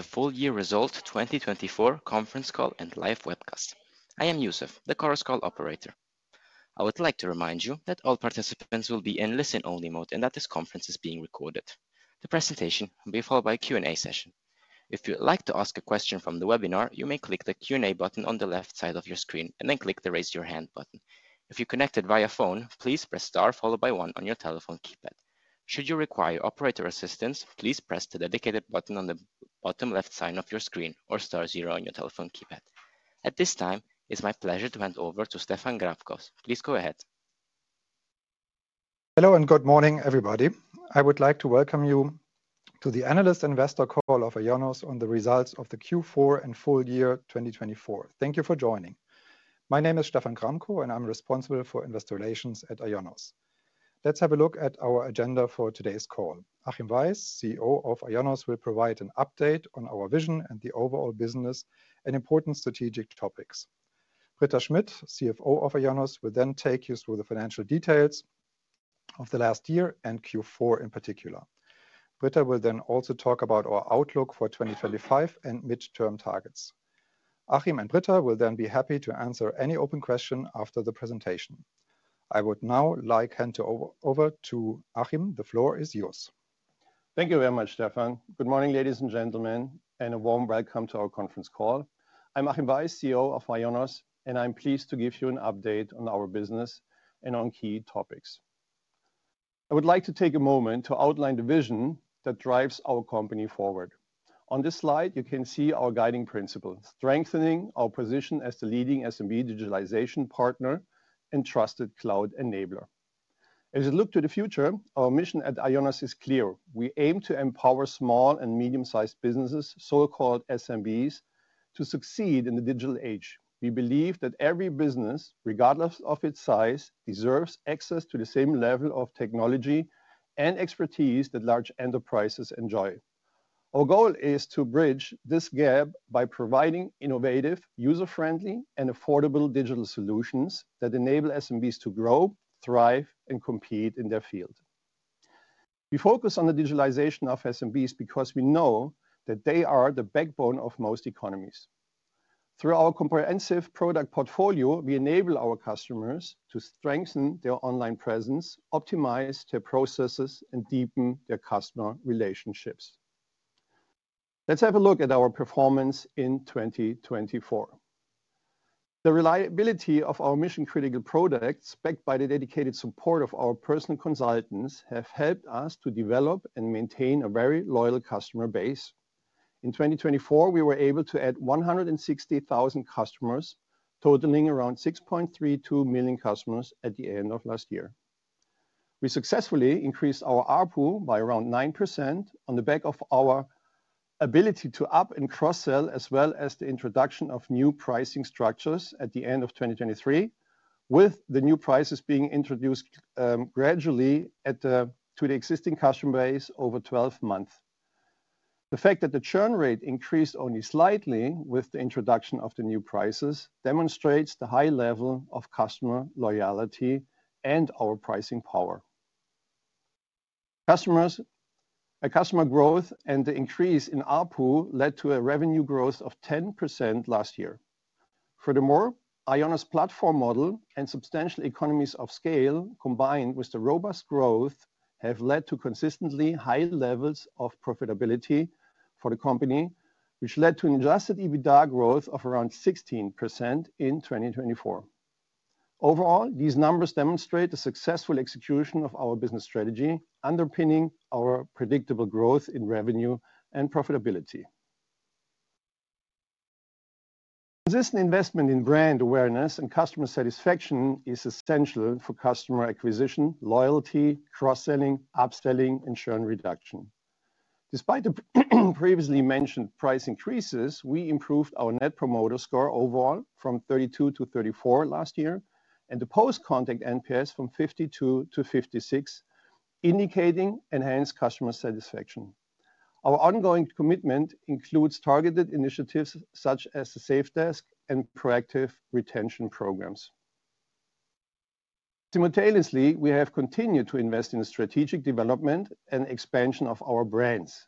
The full year result 2024 conference call and live webcast. I am Yusuf, the Chorus Call operator. I would like to remind you that all participants will be in listen-only mode and that this conference is being recorded. The presentation will be followed by a Q&A session. If you would like to ask a question from the webinar, you may click the Q&A button on the left side of your screen and then click the raise your hand button. If you're connected via phone, please press star followed by one on your telephone keypad. Should you require operator assistance, please press the dedicated button on the bottom left side of your screen or star zero on your telephone keypad. At this time, it's my pleasure to hand over to Stephan Gramkow. Please go ahead. Hello and good morning, everybody. I would like to welcome you to the analyst investor call of IONOS on the results of the Q4 and full year 2024. Thank you for joining. My name is Stephan Gramkow and I'm responsible for investor relations at IONOS. Let's have a look at our agenda for today's call. Achim Weiss, CEO of IONOS, will provide an update on our vision and the overall business and important strategic topics. Britta Schmidt, CFO of IONOS, will then take you through the financial details of the last year and Q4 in particular. Britta will then also talk about our outlook for 2025 and midterm targets. Achim and Britta will then be happy to answer any open question after the presentation. I would now like to hand over to Achim. The floor is yours. Thank you very much, Stephan. Good morning, ladies and gentlemen, and a warm welcome to our conference call. I'm Achim Weiss, CEO of IONOS, and I'm pleased to give you an update on our business and on key topics. I would like to take a moment to outline the vision that drives our company forward. On this slide, you can see our guiding principle, strengthening our position as the leading SMB digitalization partner and trusted cloud enabler. As we look to the future, our mission at IONOS is clear. We aim to empower small and medium-sized businesses, so-called SMBs, to succeed in the digital age. We believe that every business, regardless of its size, deserves access to the same level of technology and expertise that large enterprises enjoy. Our goal is to bridge this gap by providing innovative, user-friendly, and affordable digital solutions that enable SMBs to grow, thrive, and compete in their field. We focus on the digitalization of SMBs because we know that they are the backbone of most economies. Through our comprehensive product portfolio, we enable our customers to strengthen their online presence, optimize their processes, and deepen their customer relationships. Let's have a look at our performance in 2024. The reliability of our mission-critical products, backed by the dedicated support of our personal consultants, has helped us to develop and maintain a very loyal customer base. In 2024, we were able to add 160,000 customers, totaling around 6.32 million customers at the end of last year. We successfully increased our ARPU by around 9% on the back of our ability to up and cross-sell, as well as the introduction of new pricing structures at the end of 2023, with the new prices being introduced gradually to the existing customer base over 12 months. The fact that the churn rate increased only slightly with the introduction of the new prices demonstrates the high level of customer loyalty and our pricing power. Customer growth and the increase in ARPU led to a revenue growth of 10% last year. Furthermore, IONOS' platform model and substantial economies of scale, combined with the robust growth, have led to consistently high levels of profitability for the company, which led to an adjusted EBITDA growth of around 16% in 2024. Overall, these numbers demonstrate the successful execution of our business strategy, underpinning our predictable growth in revenue and profitability. Consistent investment in brand awareness and customer satisfaction is essential for customer acquisition, loyalty, cross-selling, upselling, and churn reduction. Despite the previously mentioned price increases, we improved our Net Promoter Score overall from 32 to 34 last year and the post-contact NPS from 52 to 56, indicating enhanced customer satisfaction. Our ongoing commitment includes targeted initiatives such as the Save Desk and proactive retention programs. Simultaneously, we have continued to invest in the strategic development and expansion of our brands.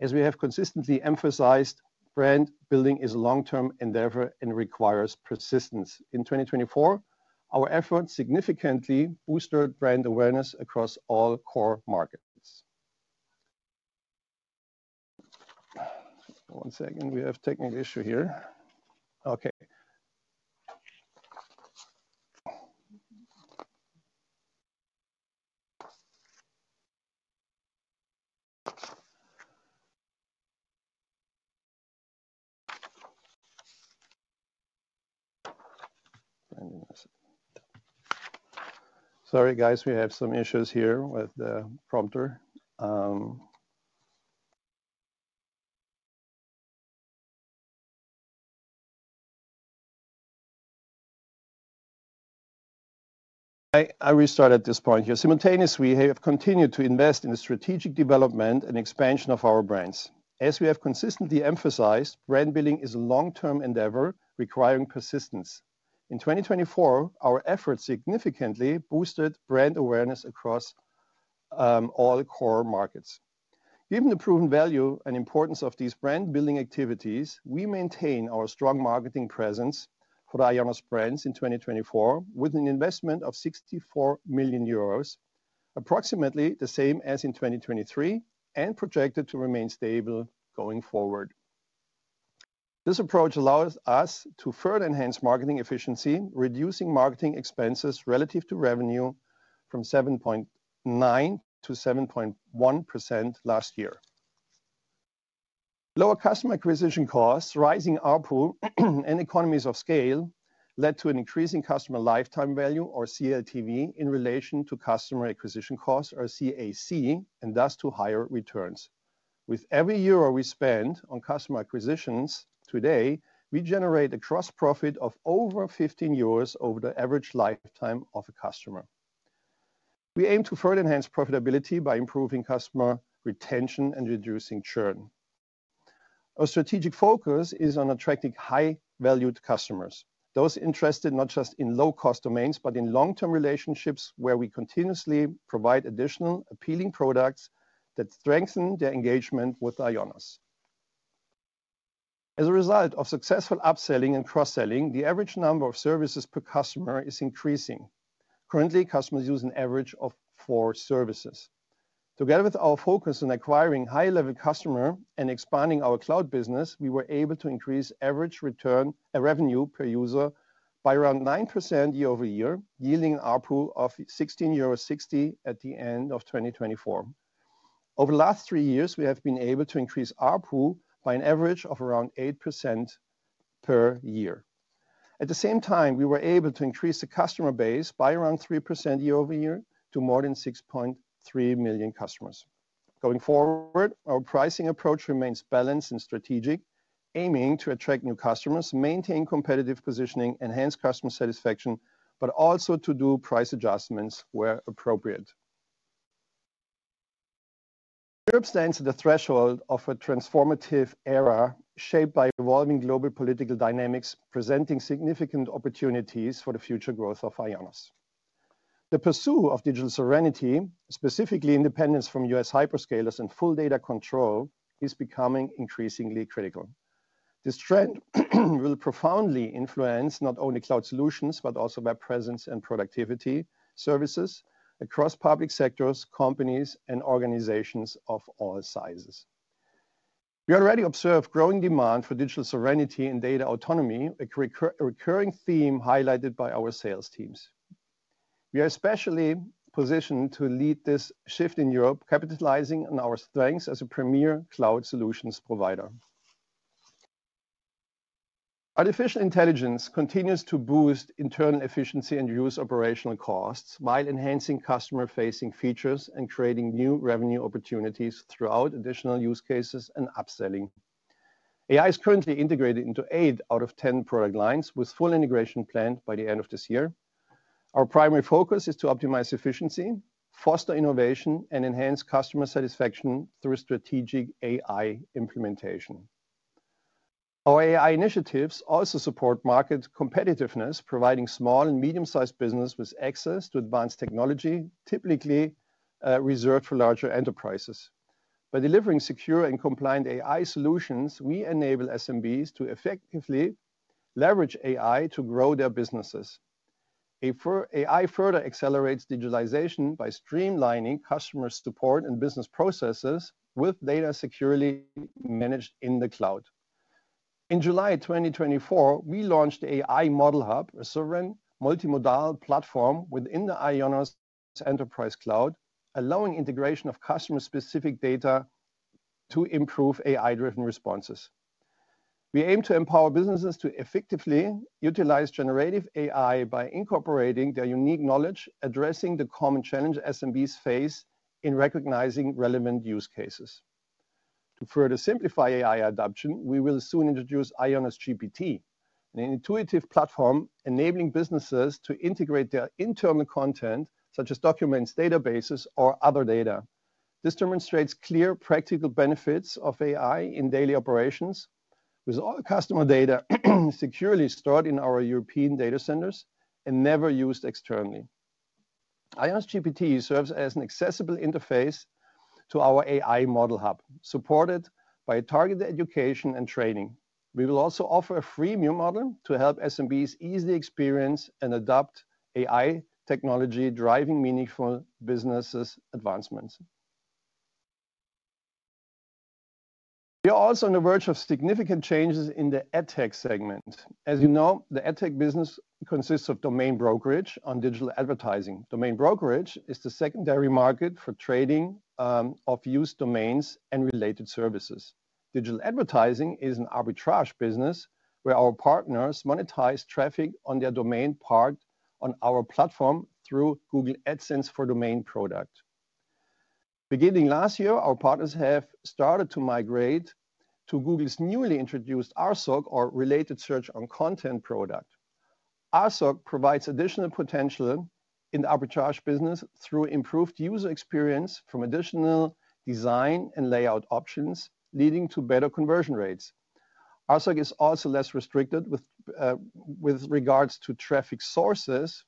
As we have consistently emphasized, brand building is a long-term endeavor and requires persistence. In 2024, our efforts significantly boosted brand awareness across all core markets. One second, we have a technical issue here. Okay. Sorry, guys, we have some issues here with the prompter. I restart at this point here. Simultaneously, we have continued to invest in the strategic development and expansion of our brands. As we have consistently emphasized, brand building is a long-term endeavor requiring persistence. In 2024, our efforts significantly boosted brand awareness across all core markets. Given the proven value and importance of these brand-building activities, we maintain our strong marketing presence for IONOS brands in 2024 with an investment of 64 million euros, approximately the same as in 2023, and projected to remain stable going forward. This approach allows us to further enhance marketing efficiency, reducing marketing expenses relative to revenue from 7.9% to 7.1% last year. Lower customer acquisition costs, rising ARPU, and economies of scale led to an increasing customer lifetime value, or CLTV, in relation to customer acquisition costs, or CAC, and thus to higher returns. With every euro we spend on customer acquisitions today, we generate a gross profit of over 15 euros over the average lifetime of a customer. We aim to further enhance profitability by improving customer retention and reducing churn. Our strategic focus is on attracting high-valued customers, those interested not just in low-cost domains, but in long-term relationships where we continuously provide additional appealing products that strengthen their engagement with IONOS. As a result of successful upselling and cross-selling, the average number of services per customer is increasing. Currently, customers use an average of four services. Together with our focus on acquiring high-level customers and expanding our cloud business, we were able to increase average revenue per user by around 9% year over year, yielding an ARPU of 16.60 at the end of 2024. Over the last three years, we have been able to increase ARPU by an average of around 8% per year. At the same time, we were able to increase the customer base by around 3% year over year to more than 6.3 million customers. Going forward, our pricing approach remains balanced and strategic, aiming to attract new customers, maintain competitive positioning, enhance customer satisfaction, but also to do price adjustments where appropriate. Europe stands at the threshold of a transformative era shaped by evolving global political dynamics, presenting significant opportunities for the future growth of IONOS. The pursuit of digital sovereignty, specifically independence from U.S. hyperscalers and full data control, is becoming increasingly critical. This trend will profoundly influence not only cloud solutions, but also web presence and productivity services across public sectors, companies, and organizations of all sizes. We already observe growing demand for digital sovereignty and data autonomy, a recurring theme highlighted by our sales teams. We are especially positioned to lead this shift in Europe, capitalizing on our strengths as a premier cloud solutions provider. Artificial intelligence continues to boost internal efficiency and reduce operational costs while enhancing customer-facing features and creating new revenue opportunities throughout additional use cases and upselling. AI is currently integrated into eight out of ten product lines, with full integration planned by the end of this year. Our primary focus is to optimize efficiency, foster innovation, and enhance customer satisfaction through strategic AI implementation. Our AI initiatives also support market competitiveness, providing small and medium-sized businesses with access to advanced technology, typically reserved for larger enterprises. By delivering secure and compliant AI solutions, we enable SMBs to effectively leverage AI to grow their businesses. AI further accelerates digitalization by streamlining customer support and business processes with data securely managed in the cloud. In July 2024, we launched the AI Model Hub, a sovereign multimodal platform within the IONOS Enterprise Cloud, allowing integration of customer-specific data to improve AI-driven responses. We aim to empower businesses to effectively utilize generative AI by incorporating their unique knowledge, addressing the common challenges SMBs face in recognizing relevant use cases. To further simplify AI adoption, we will soon introduce IONOS GPT, an intuitive platform enabling businesses to integrate their internal content, such as documents, databases, or other data. This demonstrates clear practical benefits of AI in daily operations, with all customer data securely stored in our European data centers and never used externally. IONOS GPT serves as an accessible interface to our AI Model Hub, supported by targeted education and training. We will also offer a free new model to help SMBs easily experience and adopt AI technology, driving meaningful business advancements. We are also on the verge of significant changes in the AdTech segment. As you know, the AdTech business consists of domain brokerage and digital advertising. Domain brokerage is the secondary market for trading of used domains and related services. Digital advertising is an arbitrage business where our partners monetize traffic on their domain park on our platform through Google AdSense for Domains product. Beginning last year, our partners have started to migrate to Google's newly introduced RSOC, or Related Search On Content product. RSOC provides additional potential in the arbitrage business through improved user experience from additional design and layout options, leading to better conversion rates. RSOC is also less restricted with regards to traffic sources,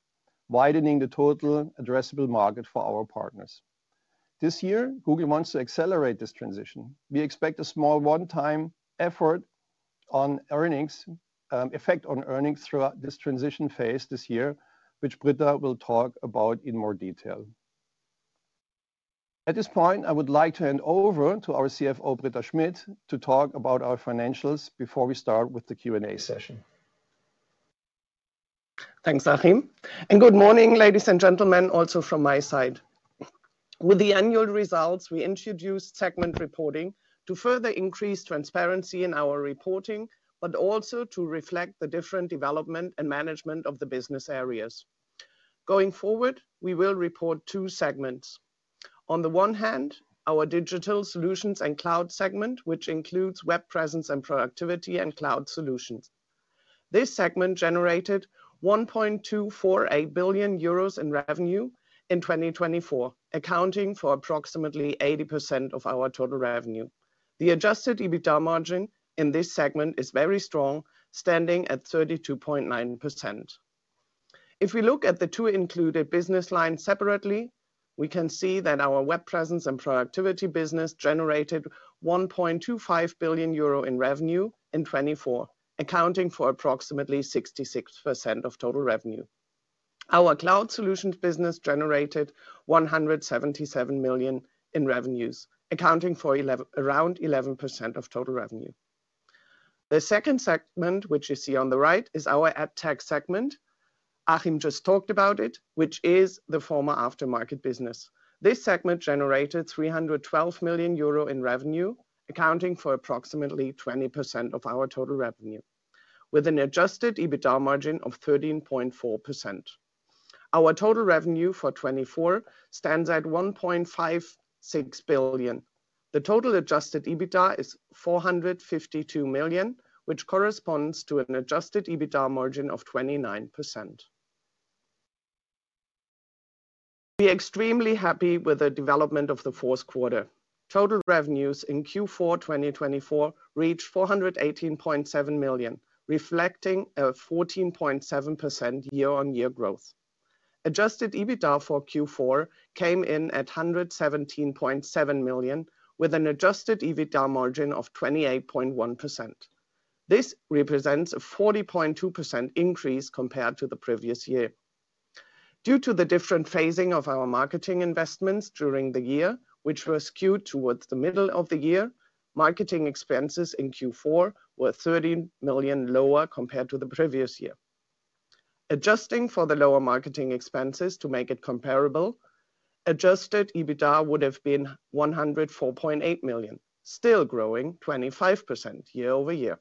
widening the total addressable market for our partners. This year, Google wants to accelerate this transition. We expect a small one-time effect on earnings throughout this transition phase this year, which Britta will talk about in more detail. At this point, I would like to hand over to our CFO, Britta Schmidt, to talk about our financials before we start with the Q&A session. Thanks, Achim. Good morning, ladies and gentlemen, also from my side. With the annual results, we introduced segment reporting to further increase transparency in our reporting, but also to reflect the different development and management of the business areas. Going forward, we will report two segments. On the one hand, our digital solutions and cloud segment, which includes web presence and productivity and cloud solutions. This segment generated 1.248 billion euros in revenue in 2024, accounting for approximately 80% of our total revenue. The adjusted EBITDA margin in this segment is very strong, standing at 32.9%. If we look at the two included business lines separately, we can see that our web presence and productivity business generated 1.25 billion euro in revenue in 2024, accounting for approximately 66% of total revenue. Our cloud solutions business generated 177 million in revenues, accounting for around 11% of total revenue. The second segment, which you see on the right, is our AdTech segment. Achim just talked about it, which is the former aftermarket business. This segment generated 312 million euro in revenue, accounting for approximately 20% of our total revenue, with an adjusted EBITDA margin of 13.4%. Our total revenue for 2024 stands at 1.56 billion. The total adjusted EBITDA is 452 million, which corresponds to an adjusted EBITDA margin of 29%. We are extremely happy with the development of the fourth quarter. Total revenues in Q4 2024 reached 418.7 million, reflecting a 14.7% year-on-year growth. Adjusted EBITDA for Q4 came in at 117.7 million, with an adjusted EBITDA margin of 28.1%. This represents a 40.2% increase compared to the previous year. Due to the different phasing of our marketing investments during the year, which were skewed towards the middle of the year, marketing expenses in Q4 were 13 million lower compared to the previous year. Adjusting for the lower marketing expenses to make it comparable, adjusted EBITDA would have been 104.8 million, still growing 25% year-over-year.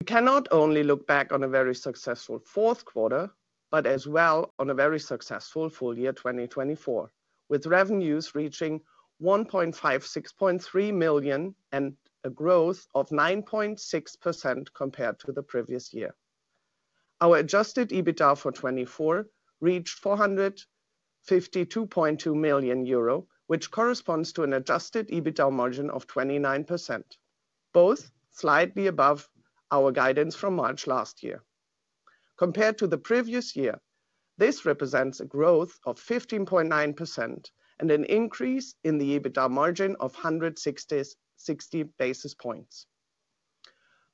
We cannot only look back on a very successful fourth quarter, but as well on a very successful full year 2024, with revenues reaching 1,563.0 million and a growth of 9.6% compared to the previous year. Our adjusted EBITDA for 2024 reached 452.2 million euro, which corresponds to an adjusted EBITDA margin of 29%, both slightly above our guidance from March last year. Compared to the previous year, this represents a growth of 15.9% and an increase in the EBITDA margin of 160 basis points.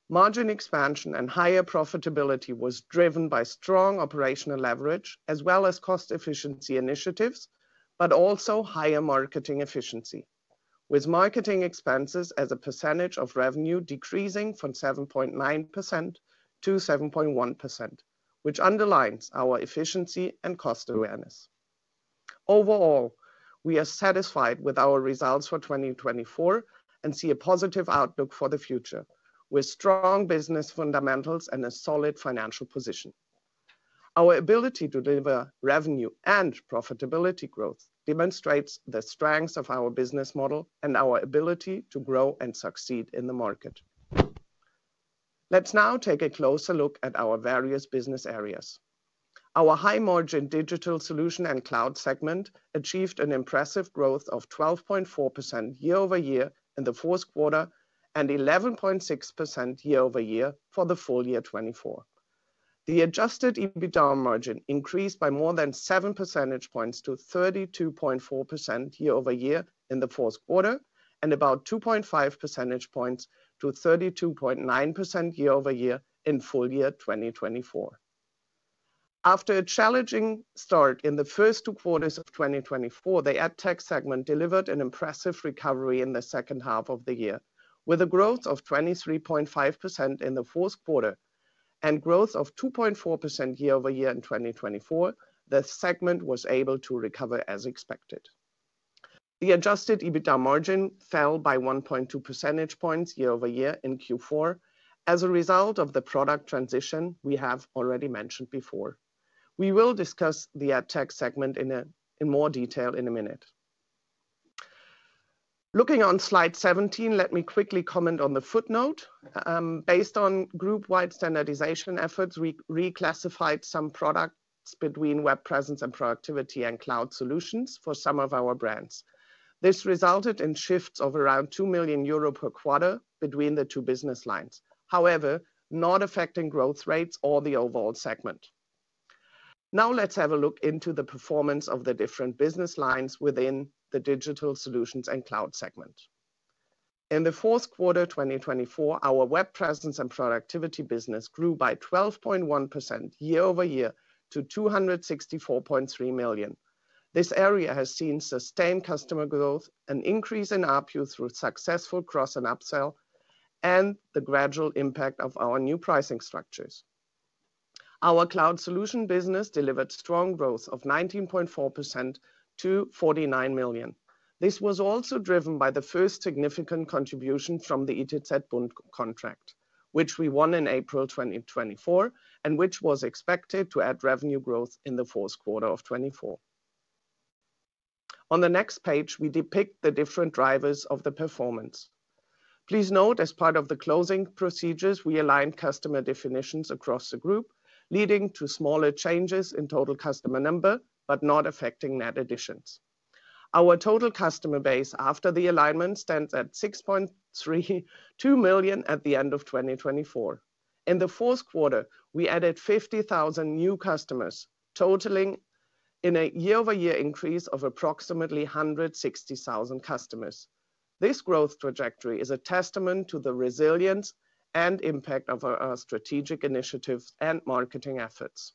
Margin expansion and higher profitability was driven by strong operational leverage, as well as cost-efficiency initiatives, but also higher marketing efficiency, with marketing expenses as a percentage of revenue decreasing from 7.9% to 7.1%, which underlines our efficiency and cost awareness. Overall, we are satisfied with our results for 2024 and see a positive outlook for the future, with strong business fundamentals and a solid financial position. Our ability to deliver revenue and profitability growth demonstrates the strengths of our business model and our ability to grow and succeed in the market. Let's now take a closer look at our various business areas. Our high-margin digital solution and cloud segment achieved an impressive growth of 12.4% year-over-year in the fourth quarter and 11.6% year-over-year for the full year 2024. The adjusted EBITDA margin increased by more than 7 percentage points to 32.4% year-over-year in the fourth quarter and about 2.5 percentage points to 32.9% year-over-year in full year 2024. After a challenging start in the first two quarters of 2024, the AdTech segment delivered an impressive recovery in the second half of the year. With a growth of 23.5% in the fourth quarter and growth of 2.4% year-over-year in 2024, the segment was able to recover as expected. The adjusted EBITDA margin fell by 1.2 percentage points year-over-year in Q4 as a result of the product transition we have already mentioned before. We will discuss the AdTech segment in more detail in a minute. Looking on slide 17, let me quickly comment on the footnote. Based on group-wide standardization efforts, we reclassified some products between web presence and productivity and cloud solutions for some of our brands. This resulted in shifts of around 2 million euro per quarter between the two business lines, however not affecting growth rates or the overall segment. Now let's have a look into the performance of the different business lines within the digital solutions and cloud segment. In the fourth quarter 2024, our web presence and productivity business grew by 12.1% year-over-year to 264.3 million. This area has seen sustained customer growth, an increase in ARPU through successful cross and upsell, and the gradual impact of our new pricing structures. Our cloud solution business delivered strong growth of 19.4% to 49 million. This was also driven by the first significant contribution from the ITZBund contract, which we won in April 2024 and which was expected to add revenue growth in the fourth quarter of 2024. On the next page, we depict the different drivers of the performance. Please note, as part of the closing procedures, we aligned customer definitions across the group, leading to smaller changes in total customer number but not affecting net additions. Our total customer base after the alignment stands at 6.2 million at the end of 2024. In the fourth quarter, we added 50,000 new customers, totaling in a year-over-year increase of approximately 160,000 customers. This growth trajectory is a testament to the resilience and impact of our strategic initiatives and marketing efforts.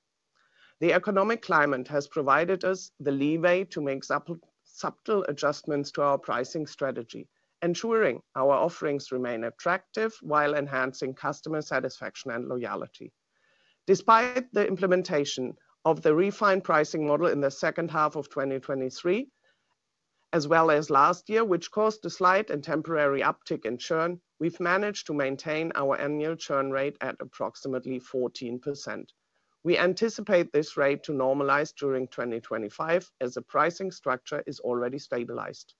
The economic climate has provided us the leeway to make subtle adjustments to our pricing strategy, ensuring our offerings remain attractive while enhancing customer satisfaction and loyalty. Despite the implementation of the refined pricing model in the second half of 2023, as well as last year, which caused a slight and temporary uptick in churn, we've managed to maintain our annual churn rate at approximately 14%. We anticipate this rate to normalize during 2025 as the pricing structure is already stabilized.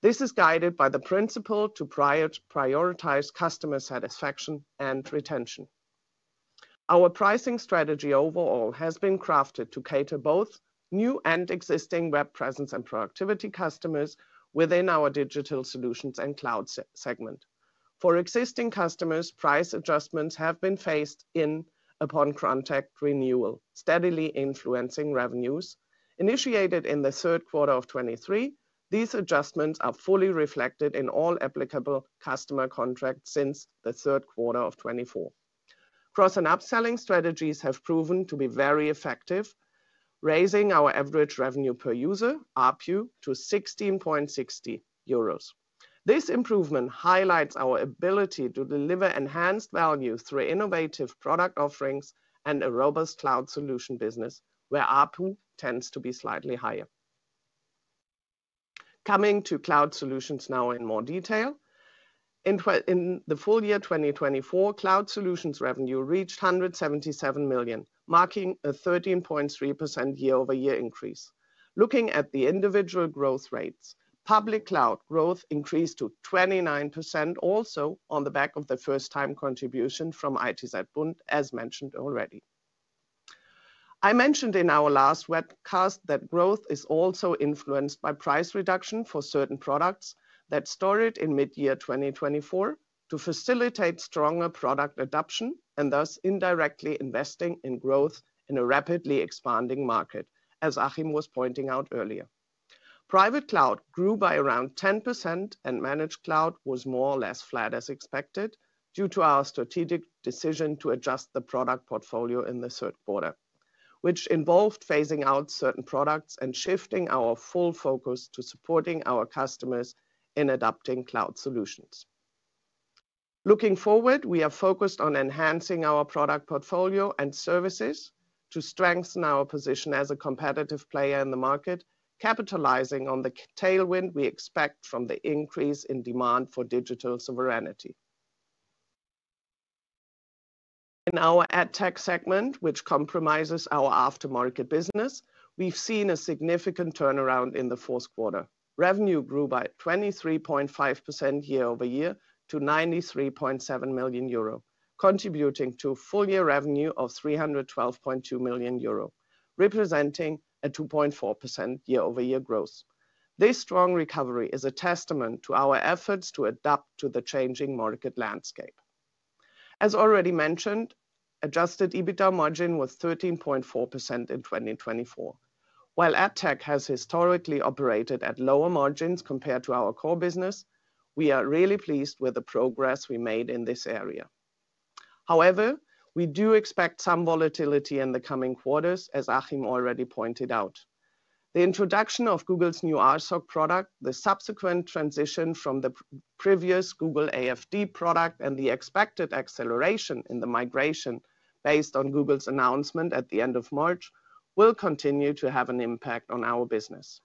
This is guided by the principle to prioritize customer satisfaction and retention. Our pricing strategy overall has been crafted to cater both new and existing web presence and productivity customers within our digital solutions and cloud segment. For existing customers, price adjustments have been phased in upon contract renewal, steadily influencing revenues. Initiated in the third quarter of 2023, these adjustments are fully reflected in all applicable customer contracts since the third quarter of 2024. Cross and upselling strategies have proven to be very effective, raising our average revenue per user, ARPU, to 16.60 euros. This improvement highlights our ability to deliver enhanced value through innovative product offerings and a robust cloud solution business, where ARPU tends to be slightly higher. Coming to cloud solutions now in more detail. In the full year 2024, cloud solutions revenue reached 177 million, marking a 13.3% year-over-year increase. Looking at the individual growth rates, public cloud growth increased to 29%, also on the back of the first-time contribution from ITZBund, as mentioned already. I mentioned in our last webcast that growth is also influenced by price reduction for certain products that started in mid-year 2024 to facilitate stronger product adoption and thus indirectly investing in growth in a rapidly expanding market, as Achim was pointing out earlier. Private cloud grew by around 10%, and managed cloud was more or less flat as expected due to our strategic decision to adjust the product portfolio in the third quarter, which involved phasing out certain products and shifting our full focus to supporting our customers in adopting cloud solutions. Looking forward, we are focused on enhancing our product portfolio and services to strengthen our position as a competitive player in the market, capitalizing on the tailwind we expect from the increase in demand for digital sovereignty. In our AdTech segment, which comprises our aftermarket business, we've seen a significant turnaround in the fourth quarter. Revenue grew by 23.5% year-over-year to 93.7 million euro, contributing to full year revenue of 312.2 million euro, representing a 2.4% year-over-year growth. This strong recovery is a testament to our efforts to adapt to the changing market landscape. As already mentioned, adjusted EBITDA margin was 13.4% in 2024. While AdTech has historically operated at lower margins compared to our core business, we are really pleased with the progress we made in this area. However, we do expect some volatility in the coming quarters, as Achim already pointed out. The introduction of Google's new RSOC product, the subsequent transition from the previous Google AFD product, and the expected acceleration in the migration based on Google's announcement at the end of March will continue to have an impact on our business.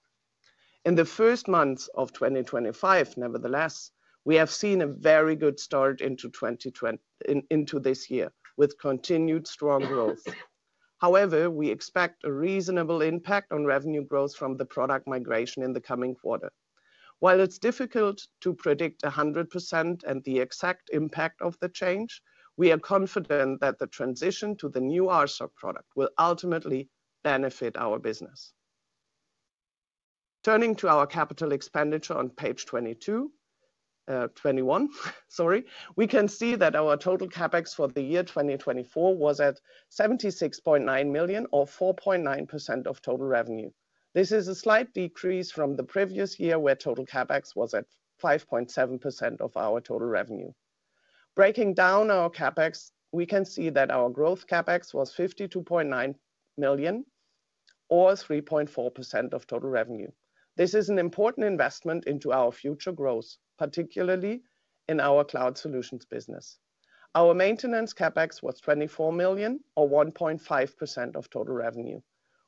In the first months of 2025, nevertheless, we have seen a very good start into this year with continued strong growth. However, we expect a reasonable impact on revenue growth from the product migration in the coming quarter. While it's difficult to predict 100% and the exact impact of the change, we are confident that the transition to the new RSOC product will ultimately benefit our business. Turning to our capital expenditure on page 22, 21, sorry, we can see that our total CapEx for the year 2024 was at 76.9 million, or 4.9% of total revenue. This is a slight decrease from the previous year where total CapEx was at 5.7% of our total revenue. Breaking down our CapEx, we can see that our growth CapEx was 52.9 million, or 3.4% of total revenue. This is an important investment into our future growth, particularly in our cloud solutions business. Our maintenance CapEx was 24 million, or 1.5% of total revenue.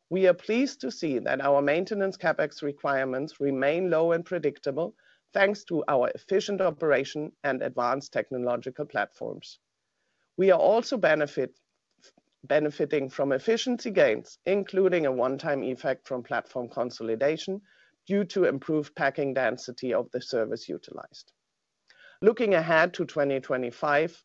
We are pleased to see that our maintenance CapEx requirements remain low and predictable thanks to our efficient operation and advanced technological platforms. We are also benefiting from efficiency gains, including a one-time effect from platform consolidation due to improved packing density of the service utilized. Looking ahead to 2025,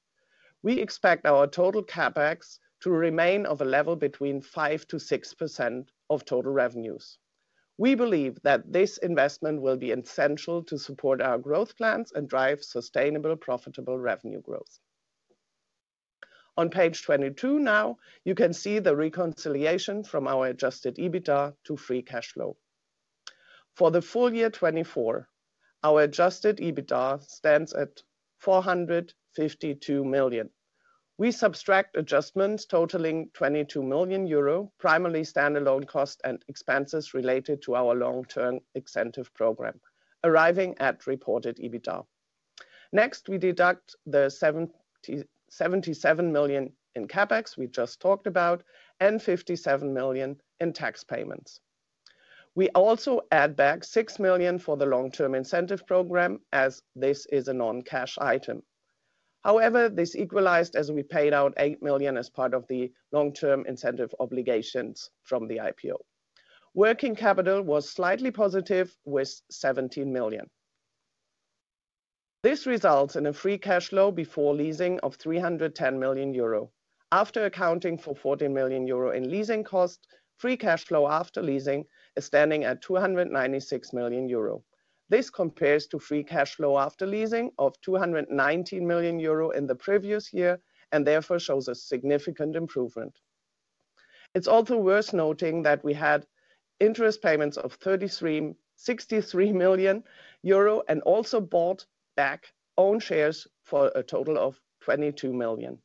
we expect our total CapEx to remain at a level between 5%-6% of total revenues. We believe that this investment will be essential to support our growth plans and drive sustainable, profitable revenue growth. On page 22 now, you can see the reconciliation from our adjusted EBITDA to free cash flow. For the full year 2024, our adjusted EBITDA stands at 452 million. We subtract adjustments totaling 22 million euro, primarily standalone costs and expenses related to our long-term incentive program, arriving at reported EBITDA. Next, we deduct the 77 million in CapEx we just talked about and 57 million in tax payments. We also add back 6 million for the long-term incentive program, as this is a non-cash item. However, this equalized as we paid out 8 million as part of the long-term incentive obligations from the IPO. Working capital was slightly positive with 17 million. This results in a free cash flow before leasing of 310 million euro. After accounting for 14 million euro in leasing cost, free cash flow after leasing is standing at 296 million euro. This compares to free cash flow after leasing of 219 million euro in the previous year and therefore shows a significant improvement. It's also worth noting that we had interest payments of 63 million euro and also bought back own shares for a total of 22 million.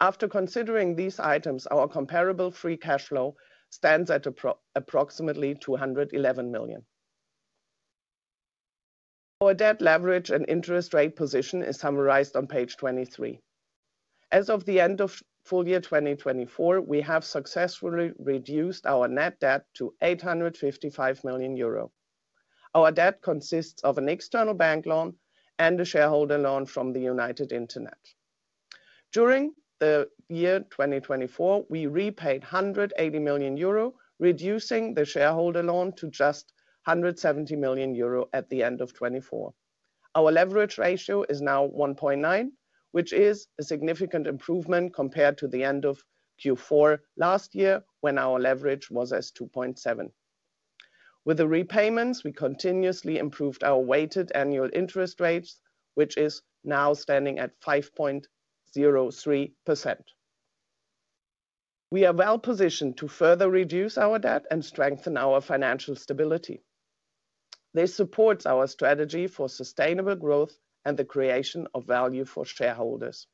After considering these items, our comparable free cash flow stands at approximately 211 million. Our debt leverage and interest rate position is summarized on page 23. As of the end of full year 2024, we have successfully reduced our net debt to 855 million euro. Our debt consists of an external bank loan and a shareholder loan from United Internet. During the year 2024, we repaid 180 million euro, reducing the shareholder loan to just 170 million euro at the end of 2024. Our leverage ratio is now 1.9, which is a significant improvement compared to the end of Q4 last year when our leverage was at 2.7. With the repayments, we continuously improved our weighted annual interest rates, which is now standing at 5.03%. We are well positioned to further reduce our debt and strengthen our financial stability. This supports our strategy for sustainable growth and the creation of value for shareholders.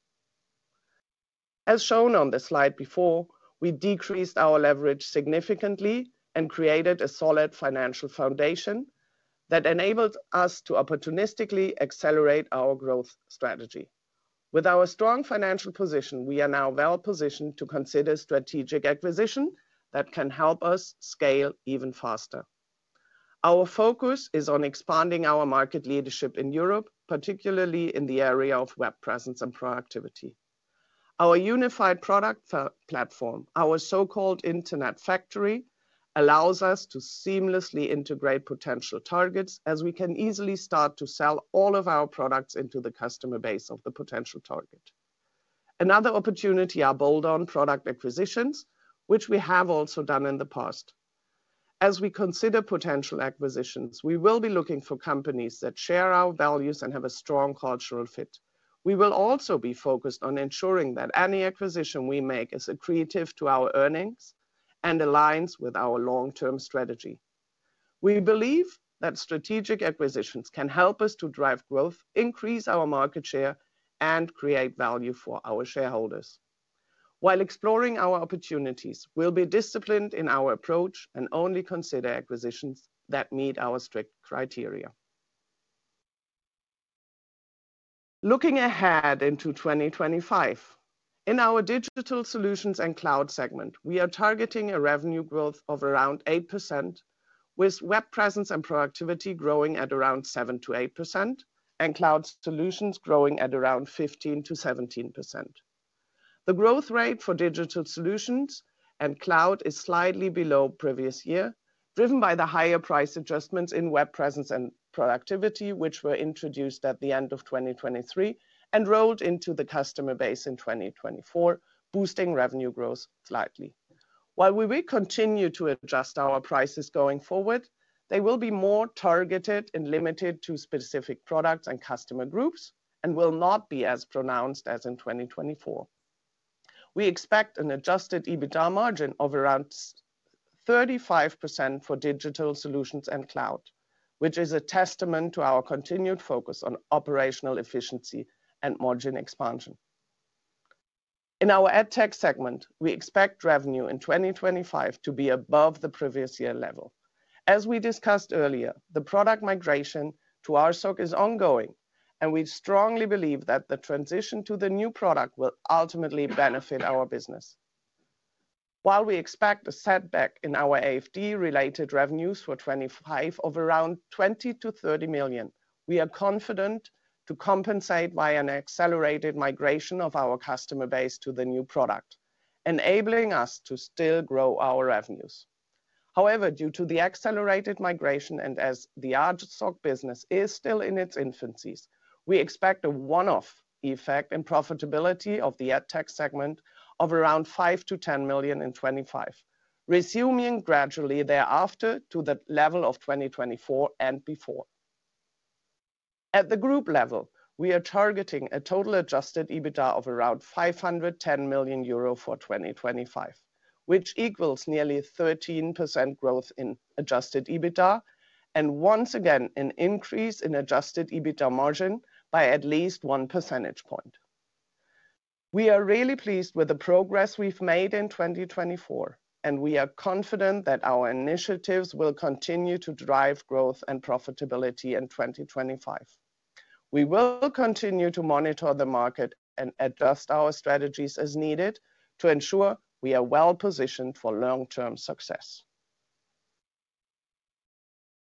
As shown on the slide before, we decreased our leverage significantly and created a solid financial foundation that enabled us to opportunistically accelerate our growth strategy. With our strong financial position, we are now well positioned to consider strategic acquisitions that can help us scale even faster. Our focus is on expanding our market leadership in Europe, particularly in the area of web presence and productivity. Our unified product platform, our so-called Internet Factory, allows us to seamlessly integrate potential targets as we can easily start to sell all of our products into the customer base of the potential target. Another opportunity is our bolt-on product acquisitions, which we have also done in the past. As we consider potential acquisitions, we will be looking for companies that share our values and have a strong cultural fit. We will also be focused on ensuring that any acquisition we make is accretive to our earnings and aligns with our long-term strategy. We believe that strategic acquisitions can help us to drive growth, increase our market share, and create value for our shareholders. While exploring our opportunities, we'll be disciplined in our approach and only consider acquisitions that meet our strict criteria. Looking ahead into 2025, in our digital solutions and cloud segment, we are targeting a revenue growth of around 8%, with web presence and productivity growing at around 7%-8% and cloud solutions growing at around 15%-17%. The growth rate for digital solutions and cloud is slightly below previous year, driven by the higher price adjustments in web presence and productivity, which were introduced at the end of 2023 and rolled into the customer base in 2024, boosting revenue growth slightly. While we will continue to adjust our prices going forward, they will be more targeted and limited to specific products and customer groups and will not be as pronounced as in 2024. We expect an adjusted EBITDA margin of around 35% for digital solutions and cloud, which is a testament to our continued focus on operational efficiency and margin expansion. In our AdTech segment, we expect revenue in 2025 to be above the previous year level. As we discussed earlier, the product migration to RSOC is ongoing, and we strongly believe that the transition to the new product will ultimately benefit our business. While we expect a setback in our AFD-related revenues for 2025 of around 20 million-30 million, we are confident to compensate by an accelerated migration of our customer base to the new product, enabling us to still grow our revenues. However, due to the accelerated migration and as the RSOC business is still in its infancies, we expect a one-off effect in profitability of the AdTech segment of around 5 million-10 million in 2025, resuming gradually thereafter to the level of 2024 and before. At the group level, we are targeting a total adjusted EBITDA of around 510 million euro for 2025, which equals nearly 13% growth in adjusted EBITDA and once again an increase in adjusted EBITDA margin by at least one percentage point. We are really pleased with the progress we've made in 2024, and we are confident that our initiatives will continue to drive growth and profitability in 2025. We will continue to monitor the market and adjust our strategies as needed to ensure we are well positioned for long-term success.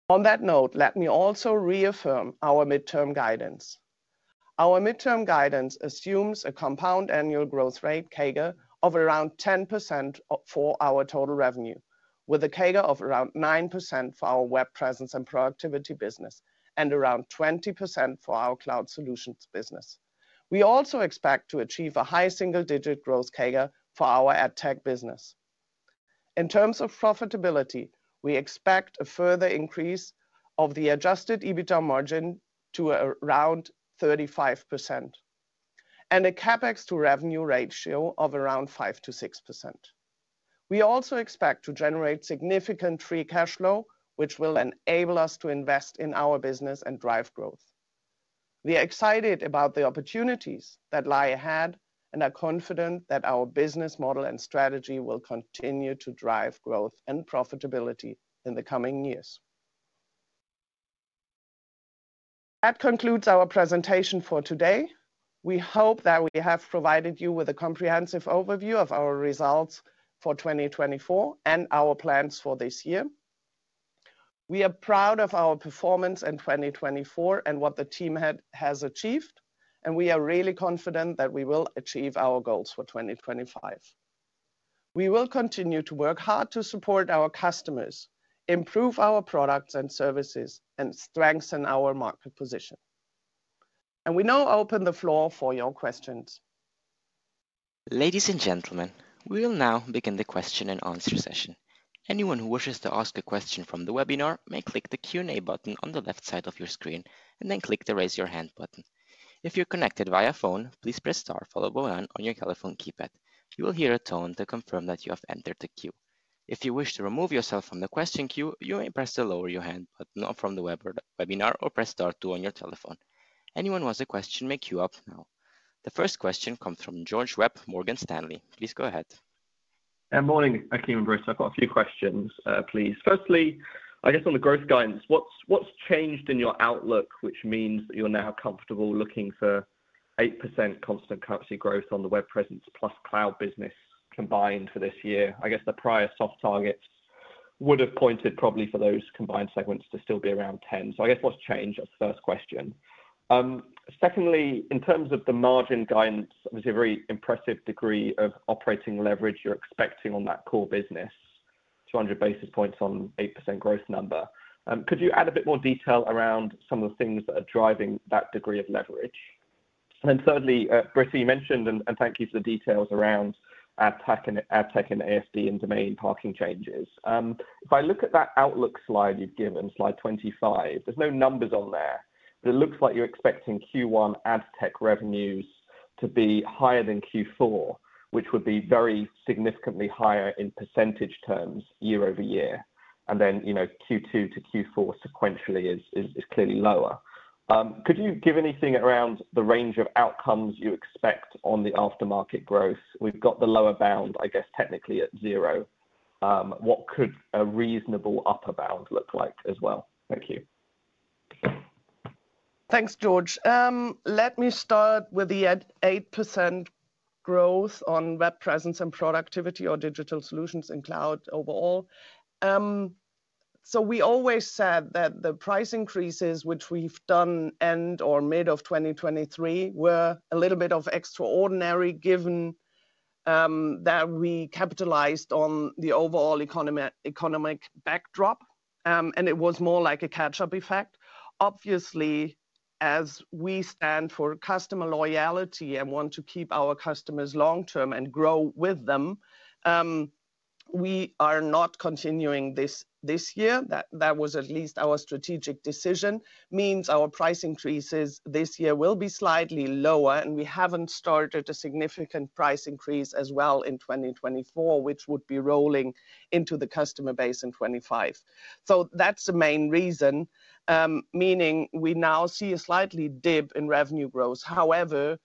On that note, let me also reaffirm our midterm guidance. Our midterm guidance assumes a compound annual growth rate, CAGR, of around 10% for our total revenue, with a CAGR of around 9% for our web presence and productivity business and around 20% for our cloud solutions business. We also expect to achieve a high single-digit growth CAGR for our AdTech business. In terms of profitability, we expect a further increase of the adjusted EBITDA margin to around 35% and a CapEx to revenue ratio of around 5%-6%. We also expect to generate significant free cash flow, which will enable us to invest in our business and drive growth. We are excited about the opportunities that lie ahead and are confident that our business model and strategy will continue to drive growth and profitability in the coming years. That concludes our presentation for today. We hope that we have provided you with a comprehensive overview of our results for 2024 and our plans for this year. We are proud of our performance in 2024 and what the team has achieved, and we are really confident that we will achieve our goals for 2025. We will continue to work hard to support our customers, improve our products and services, and strengthen our market position. We now open the floor for your questions. Ladies and gentlemen, we will now begin the question and answer session. Anyone who wishes to ask a question from the webinar may click the Q&A button on the left side of your screen and then click the raise your hand button. If you're connected via phone, please press star, followed by one on your telephone keypad. You will hear a tone to confirm that you have entered the queue. If you wish to remove yourself from the question queue, you may press the lower your hand button from the webinar or press star two on your telephone. Anyone who has a question may queue up now. The first question comes from George Webb, Morgan Stanley. Please go ahead. Good morning, Achim and Britta. I've got a few questions, please. Firstly, I guess on the growth guidance, what's changed in your outlook, which means that you're now comfortable looking for 8% constant currency growth on the web presence plus cloud business combined for this year? I guess the prior soft targets would have pointed probably for those combined segments to still be around 10. I guess what's changed is the first question. Secondly, in terms of the margin guidance, there's a very impressive degree of operating leverage you're expecting on that core business, 200 basis points on 8% growth number. Could you add a bit more detail around some of the things that are driving that degree of leverage? Thirdly, Britta, you mentioned, and thank you for the details around AdTech and AFD and domain parking changes. If I look at that outlook slide you've given, slide 25, there's no numbers on there, but it looks like you're expecting Q1 AdTech revenues to be higher than Q4, which would be very significantly higher in percentage terms year over year. Q2 to Q4 sequentially is clearly lower. Could you give anything around the range of outcomes you expect on the aftermarket growth? We've got the lower bound, I guess technically at zero. What could a reasonable upper bound look like as well? Thank you. Thanks, George. Let me start with the 8% growth on web presence and productivity or digital solutions in cloud overall. We always said that the price increases, which we've done end or mid of 2023, were a little bit of extraordinary given that we capitalized on the overall economic backdrop, and it was more like a catch-up effect. Obviously, as we stand for customer loyalty and want to keep our customers long-term and grow with them, we are not continuing this this year. That was at least our strategic decision. It means our price increases this year will be slightly lower, and we haven't started a significant price increase as well in 2024, which would be rolling into the customer base in 2025. That's the main reason, meaning we now see a slight dip in revenue growth. However,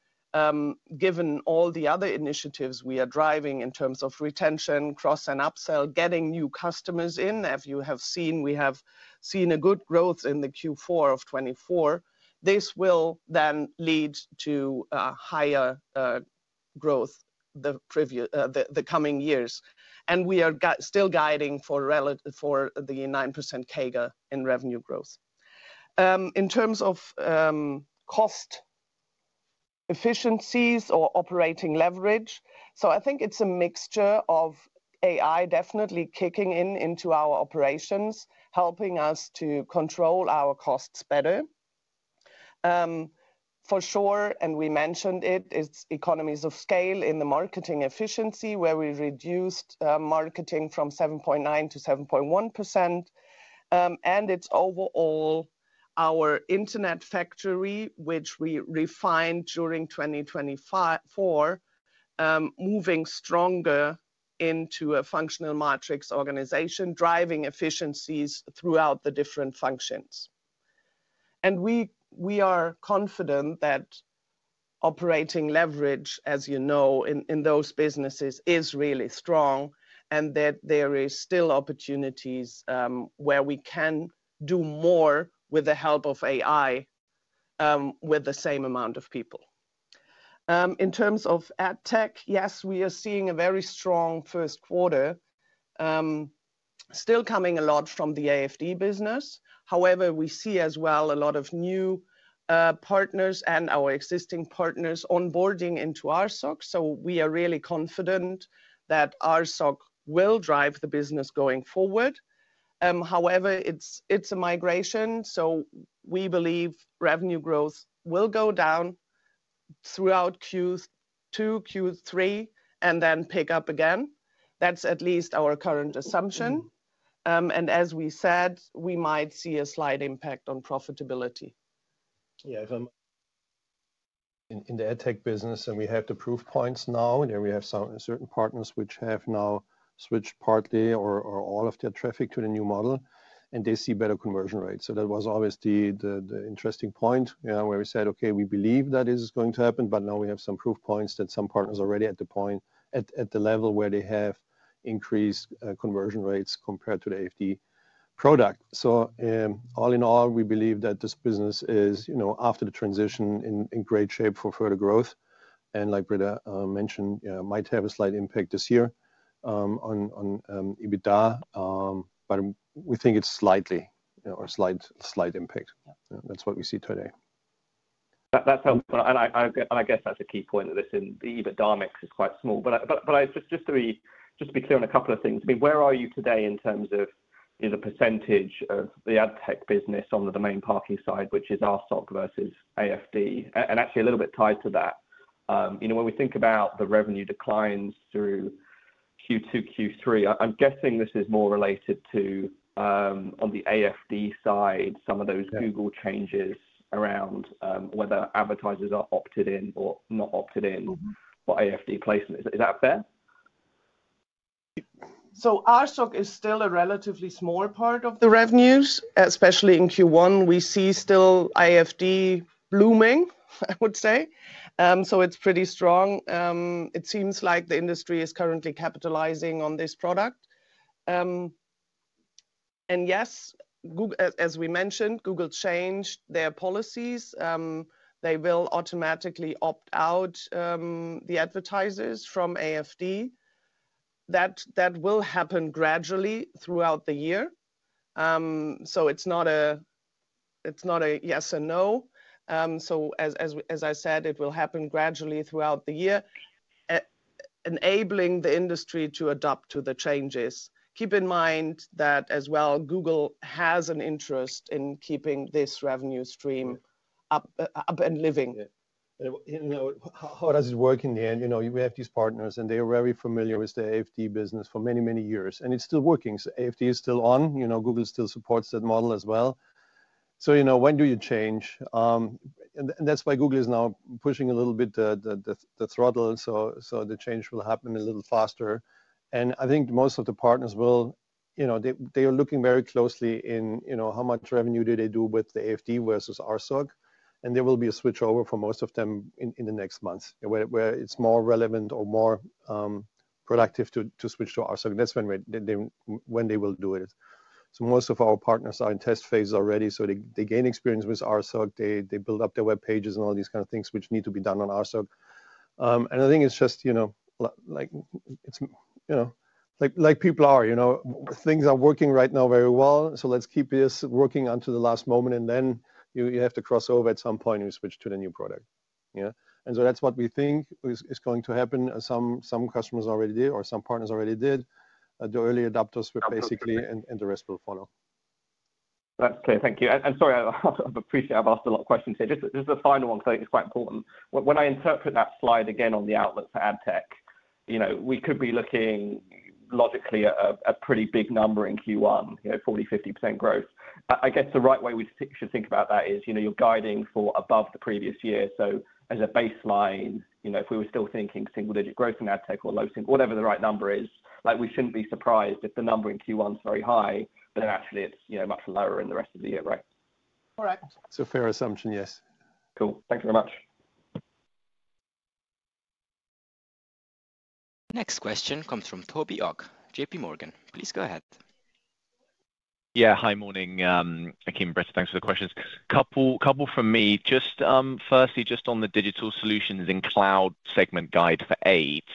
given all the other initiatives we are driving in terms of retention, cross and upsell, getting new customers in, as you have seen, we have seen a good growth in the Q4 of 2024. This will then lead to a higher growth the coming years. We are still guiding for the 9% CAGR in revenue growth. In terms of cost efficiencies or operating leverage, I think it's a mixture of AI definitely kicking in into our operations, helping us to control our costs better. For sure, and we mentioned it, it's economies of scale in the marketing efficiency where we reduced marketing from 7.9% to 7.1%. It's overall our Internet Factory, which we refined during 2024, moving stronger into a functional matrix organization, driving efficiencies throughout the different functions. We are confident that operating leverage, as you know, in those businesses is really strong and that there are still opportunities where we can do more with the help of AI with the same amount of people. In terms of AdTech, yes, we are seeing a very strong first quarter, still coming a lot from the AFD business. However, we see as well a lot of new partners and our existing partners onboarding into RSOC. We are really confident that RSOC will drive the business going forward. However, it is a migration, so we believe revenue growth will go down throughout Q2, Q3, and then pick up again. That is at least our current assumption. As we said, we might see a slight impact on profitability. Yeah, if I'm in the AdTech business and we have the proof points now, and we have certain partners which have now switched partly or all of their traffic to the new model, and they see better conversion rates. That was obviously the interesting point where we said, okay, we believe that this is going to happen, but now we have some proof points that some partners are already at the point, at the level where they have increased conversion rates compared to the AFD product. All in all, we believe that this business is, after the transition, in great shape for further growth. Like Britta mentioned, might have a slight impact this year on EBITDA, but we think it's slightly or slight impact. That's what we see today. That sounds good. I guess that's a key point of this in the EBITDA mix is quite small. Just to be clear on a couple of things, I mean, where are you today in terms of the percentage of the AdTech business on the domain parking side, which is RSOC versus AFD? Actually a little bit tied to that, when we think about the revenue declines through Q2, Q3, I'm guessing this is more related to, on the AFD side, some of those Google changes around whether advertisers are opted in or not opted in for AFD placement. Is that fair? RSOC is still a relatively small part of the revenues, especially in Q1. We see still AFD blooming, I would say. It's pretty strong. It seems like the industry is currently capitalizing on this product. Yes, as we mentioned, Google changed their policies. They will automatically opt out the advertisers from AFD. That will happen gradually throughout the year. It is not a yes or no. As I said, it will happen gradually throughout the year, enabling the industry to adapt to the changes. Keep in mind that as well, Google has an interest in keeping this revenue stream up and living. How does it work in the end? We have these partners and they are very familiar with the AFD business for many, many years. It is still working. AFD is still on. Google still supports that model as well. When do you change? That is why Google is now pushing a little bit the throttle. The change will happen a little faster. I think most of the partners are looking very closely at how much revenue they do with the AFD versus RSOC. There will be a switch over for most of them in the next months where it's more relevant or more productive to switch to RSOC. That is when they will do it. Most of our partners are in test phase already. They gain experience with RSOC. They build up their web pages and all these kind of things which need to be done on RSOC. I think it's just like people are. Things are working right now very well. Let's keep this working until the last moment. You have to cross over at some point and switch to the new product. That is what we think is going to happen. Some customers already did or some partners already did. The early adopters were basically and the rest will follow. Okay, thank you. Sorry, I've appreciated I've asked a lot of questions here. Just the final one, because I think it's quite important. When I interpret that slide again on the outlook for AdTech, we could be looking logically at a pretty big number in Q1, 40-50% growth. I guess the right way we should think about that is you're guiding for above the previous year. So as a baseline, if we were still thinking single-digit growth in AdTech or low single, whatever the right number is, we shouldn't be surprised if the number in Q1 is very high, but then actually it's much lower in the rest of the year, right? Correct. It's a fair assumption, yes. Cool. Thank you very much. Next question comes from Toby Ogg, J.P. Morgan. Please go ahead. Yeah, hi morning, Achim and Britta. Thanks for the questions. Couple from me. Firstly, just on the digital solutions in cloud segment guide for eight,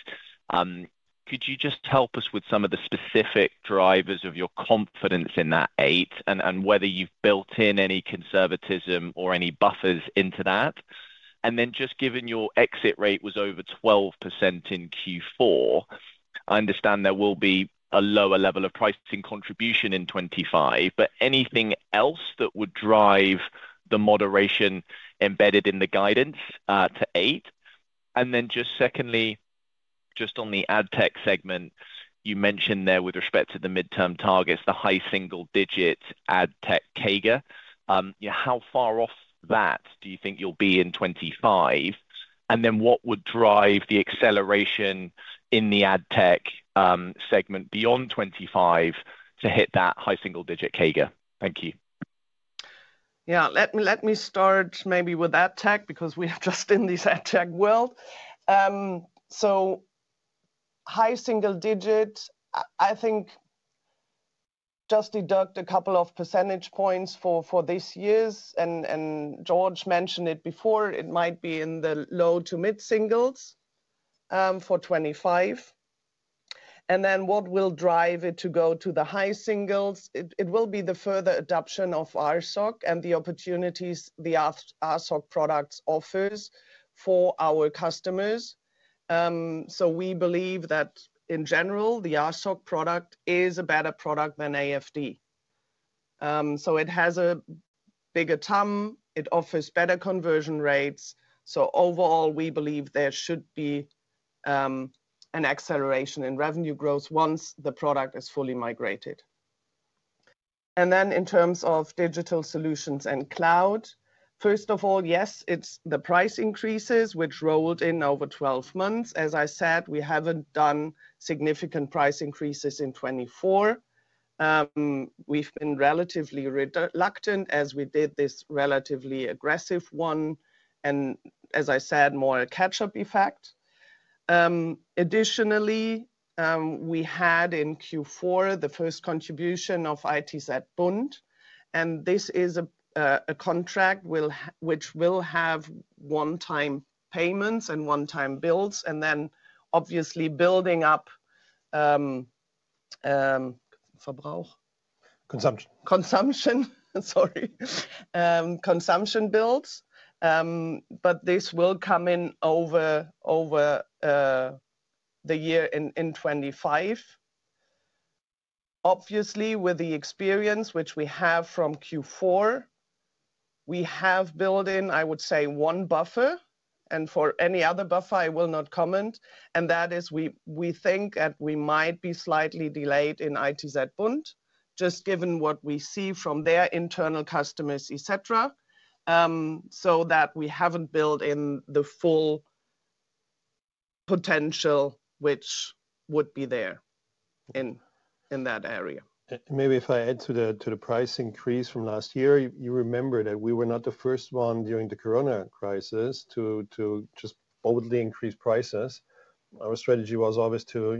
could you just help us with some of the specific drivers of your confidence in that eight and whether you've built in any conservatism or any buffers into that? Just given your exit rate was over 12% in Q4, I understand there will be a lower level of pricing contribution in 2025, but anything else that would drive the moderation embedded in the guidance to eight? Just secondly, just on the AdTech segment, you mentioned there with respect to the midterm targets, the high single-digit AdTech CAGR, how far off that do you think you'll be in 2025? What would drive the acceleration in the AdTech segment beyond 2025 to hit that high single-digit CAGR? Thank you. Yeah, let me start maybe with AdTech because we are just in this AdTech world. High single-digit, I think just deduct a couple of percentage points for this year. George mentioned it before, it might be in the low to mid singles for 2025. What will drive it to go to the high singles? It will be the further adoption of RSOC and the opportunities the RSOC product offers for our customers. We believe that in general, the RSOC product is a better product than AFD. It has a bigger TAM. It offers better conversion rates. Overall, we believe there should be an acceleration in revenue growth once the product is fully migrated. In terms of digital solutions and cloud, first of all, yes, it is the price increases which rolled in over 12 months. As I said, we have not done significant price increases in 2024. We've been relatively reluctant as we did this relatively aggressive one and, as I said, more a catch-up effect. Additionally, we had in Q4 the first contribution of ITZBund. This is a contract which will have one-time payments and one-time builds. Obviously, building up.. Consumption. Consumption, sorry. Consumption bills. This will come in over the year in 2025. Obviously, with the experience which we have from Q4, we have built in, I would say, one buffer. For any other buffer, I will not comment. That is, we think that we might be slightly delayed in ITZBund, just given what we see from their internal customers, etc., so that we haven't built in the full potential which would be there in that area. Maybe if I add to the price increase from last year, you remember that we were not the first one during the corona crisis to just boldly increase prices. Our strategy was always to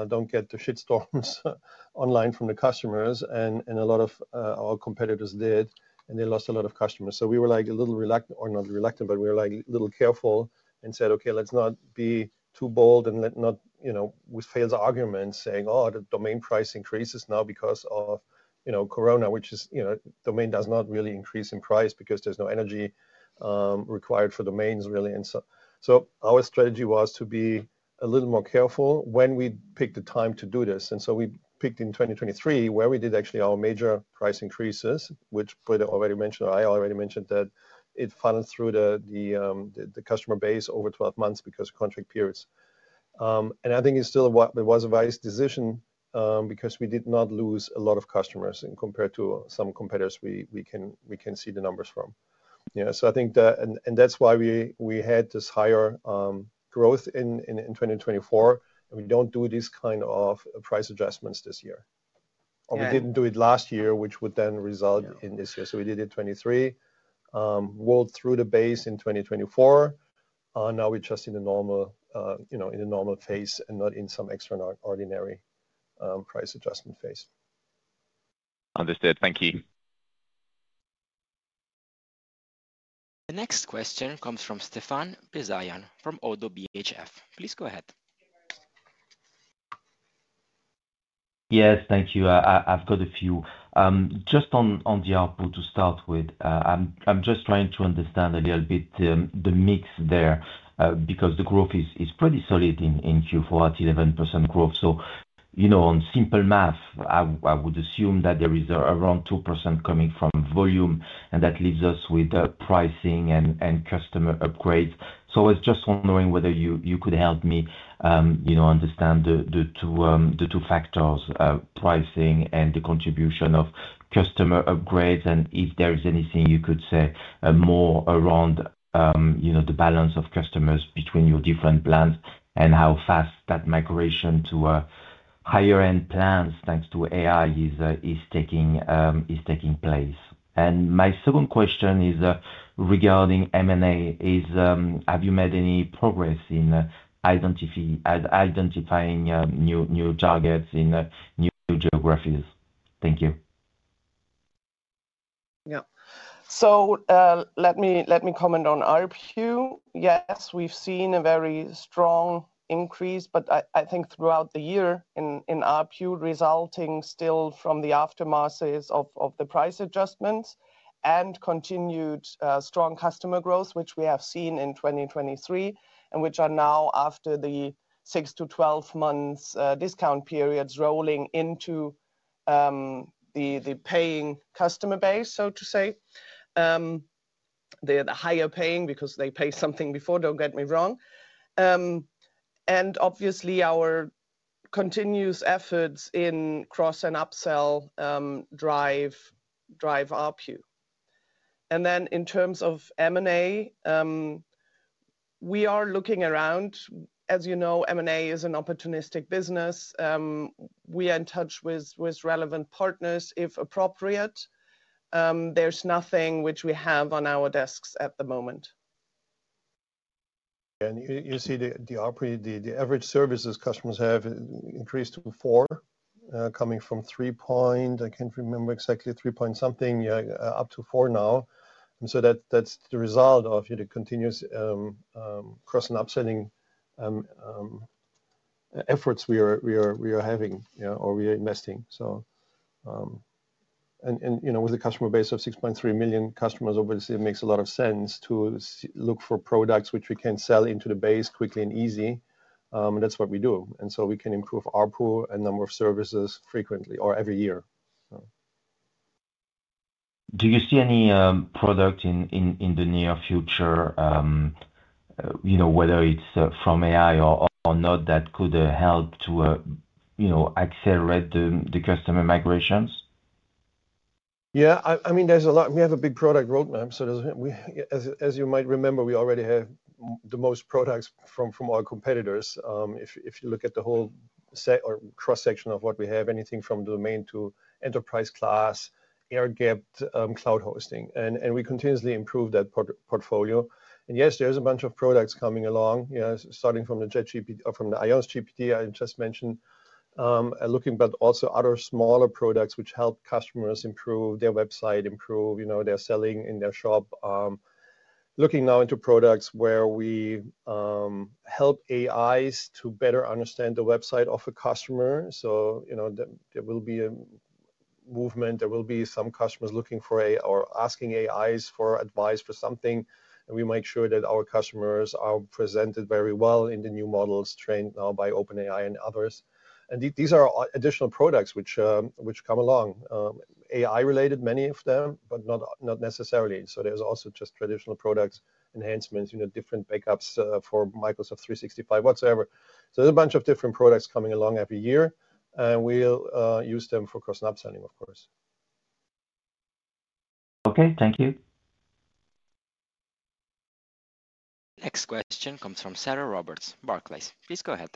not get the shit storms online from the customers. A lot of our competitors did, and they lost a lot of customers. We were like a little reluctant, or not reluctant, but we were like a little careful and said, okay, let's not be too bold and not with failed arguments saying, oh, the domain price increases now because of corona, which is domain does not really increase in price because there's no energy required for domains really. Our strategy was to be a little more careful when we picked the time to do this. We picked in 2023 where we did actually our major price increases, which Britta already mentioned or I already mentioned that it funneled through the customer base over 12 months because of contract periods. I think it was a wise decision because we did not lose a lot of customers in compared to some competitors we can see the numbers from. I think that, and that's why we had this higher growth in 2024. We do not do these kind of price adjustments this year. We did not do it last year, which would then result in this year. We did it 2023, rolled through the base in 2024. Now we are just in the normal phase and not in some extraordinary price adjustment phase. Understood. Thank you. The next question comes from Stephane Beyazian from ODDO BHF. Please go ahead. Yes, thank you. I've got a few. Just on the output to start with, I'm just trying to understand a little bit the mix there because the growth is pretty solid in Q4 at 11% growth. On simple math, I would assume that there is around 2% coming from volume, and that leaves us with pricing and customer upgrades. I was just wondering whether you could help me understand the two factors, pricing and the contribution of customer upgrades, and if there is anything you could say more around the balance of customers between your different plans and how fast that migration to higher-end plans thanks to AI is taking place. My second question is regarding M&A, have you made any progress in identifying new targets in new geographies? Thank you. Yeah. Let me comment on ARPU. Yes, we've seen a very strong increase, but I think throughout the year in ARPU resulting still from the aftermaths of the price adjustments and continued strong customer growth, which we have seen in 2023 and which are now after the 6-12 months discount periods rolling into the paying customer base, so to say. They're the higher paying because they pay something before, don't get me wrong. Obviously, our continuous efforts in cross and upsell drive ARPU. In terms of M&A, we are looking around. As you know, M&A is an opportunistic business. We are in touch with relevant partners if appropriate. There's nothing which we have on our desks at the moment. You see the average services customers have increased to four coming from three point, I can't remember exactly, three point something, up to four now. That is the result of the continuous cross and upselling efforts we are having or we are investing. With a customer base of 6.3 million customers, obviously, it makes a lot of sense to look for products which we can sell into the base quickly and easy. That is what we do. We can improve ARPU and number of services frequently or every year. Do you see any product in the near future, whether it is from AI or not, that could help to accelerate the customer migrations? Yeah. I mean, there is a lot. We have a big product roadmap. As you might remember, we already have the most products from our competitors. If you look at the whole cross-section of what we have, anything from domain to enterprise class, air-gapped cloud hosting. We continuously improve that portfolio. Yes, there is a bunch of products coming along, starting from the IONOS GPT, I just mentioned looking, but also other smaller products which help customers improve their website, improve their selling in their shop. Looking now into products where we help AIs to better understand the website of a customer. There will be a movement. There will be some customers looking for or asking AIs for advice for something. We make sure that our customers are presented very well in the new models trained now by OpenAI and others. These are additional products which come along, AI-related, many of them, but not necessarily. There are also just traditional products, enhancements, different backups for Microsoft 365, whatsoever. There is a bunch of different products coming along every year. We will use them for cross and upselling, of course. Okay, thank you. Next question comes from Sarah Roberts, Barclays. Please go ahead.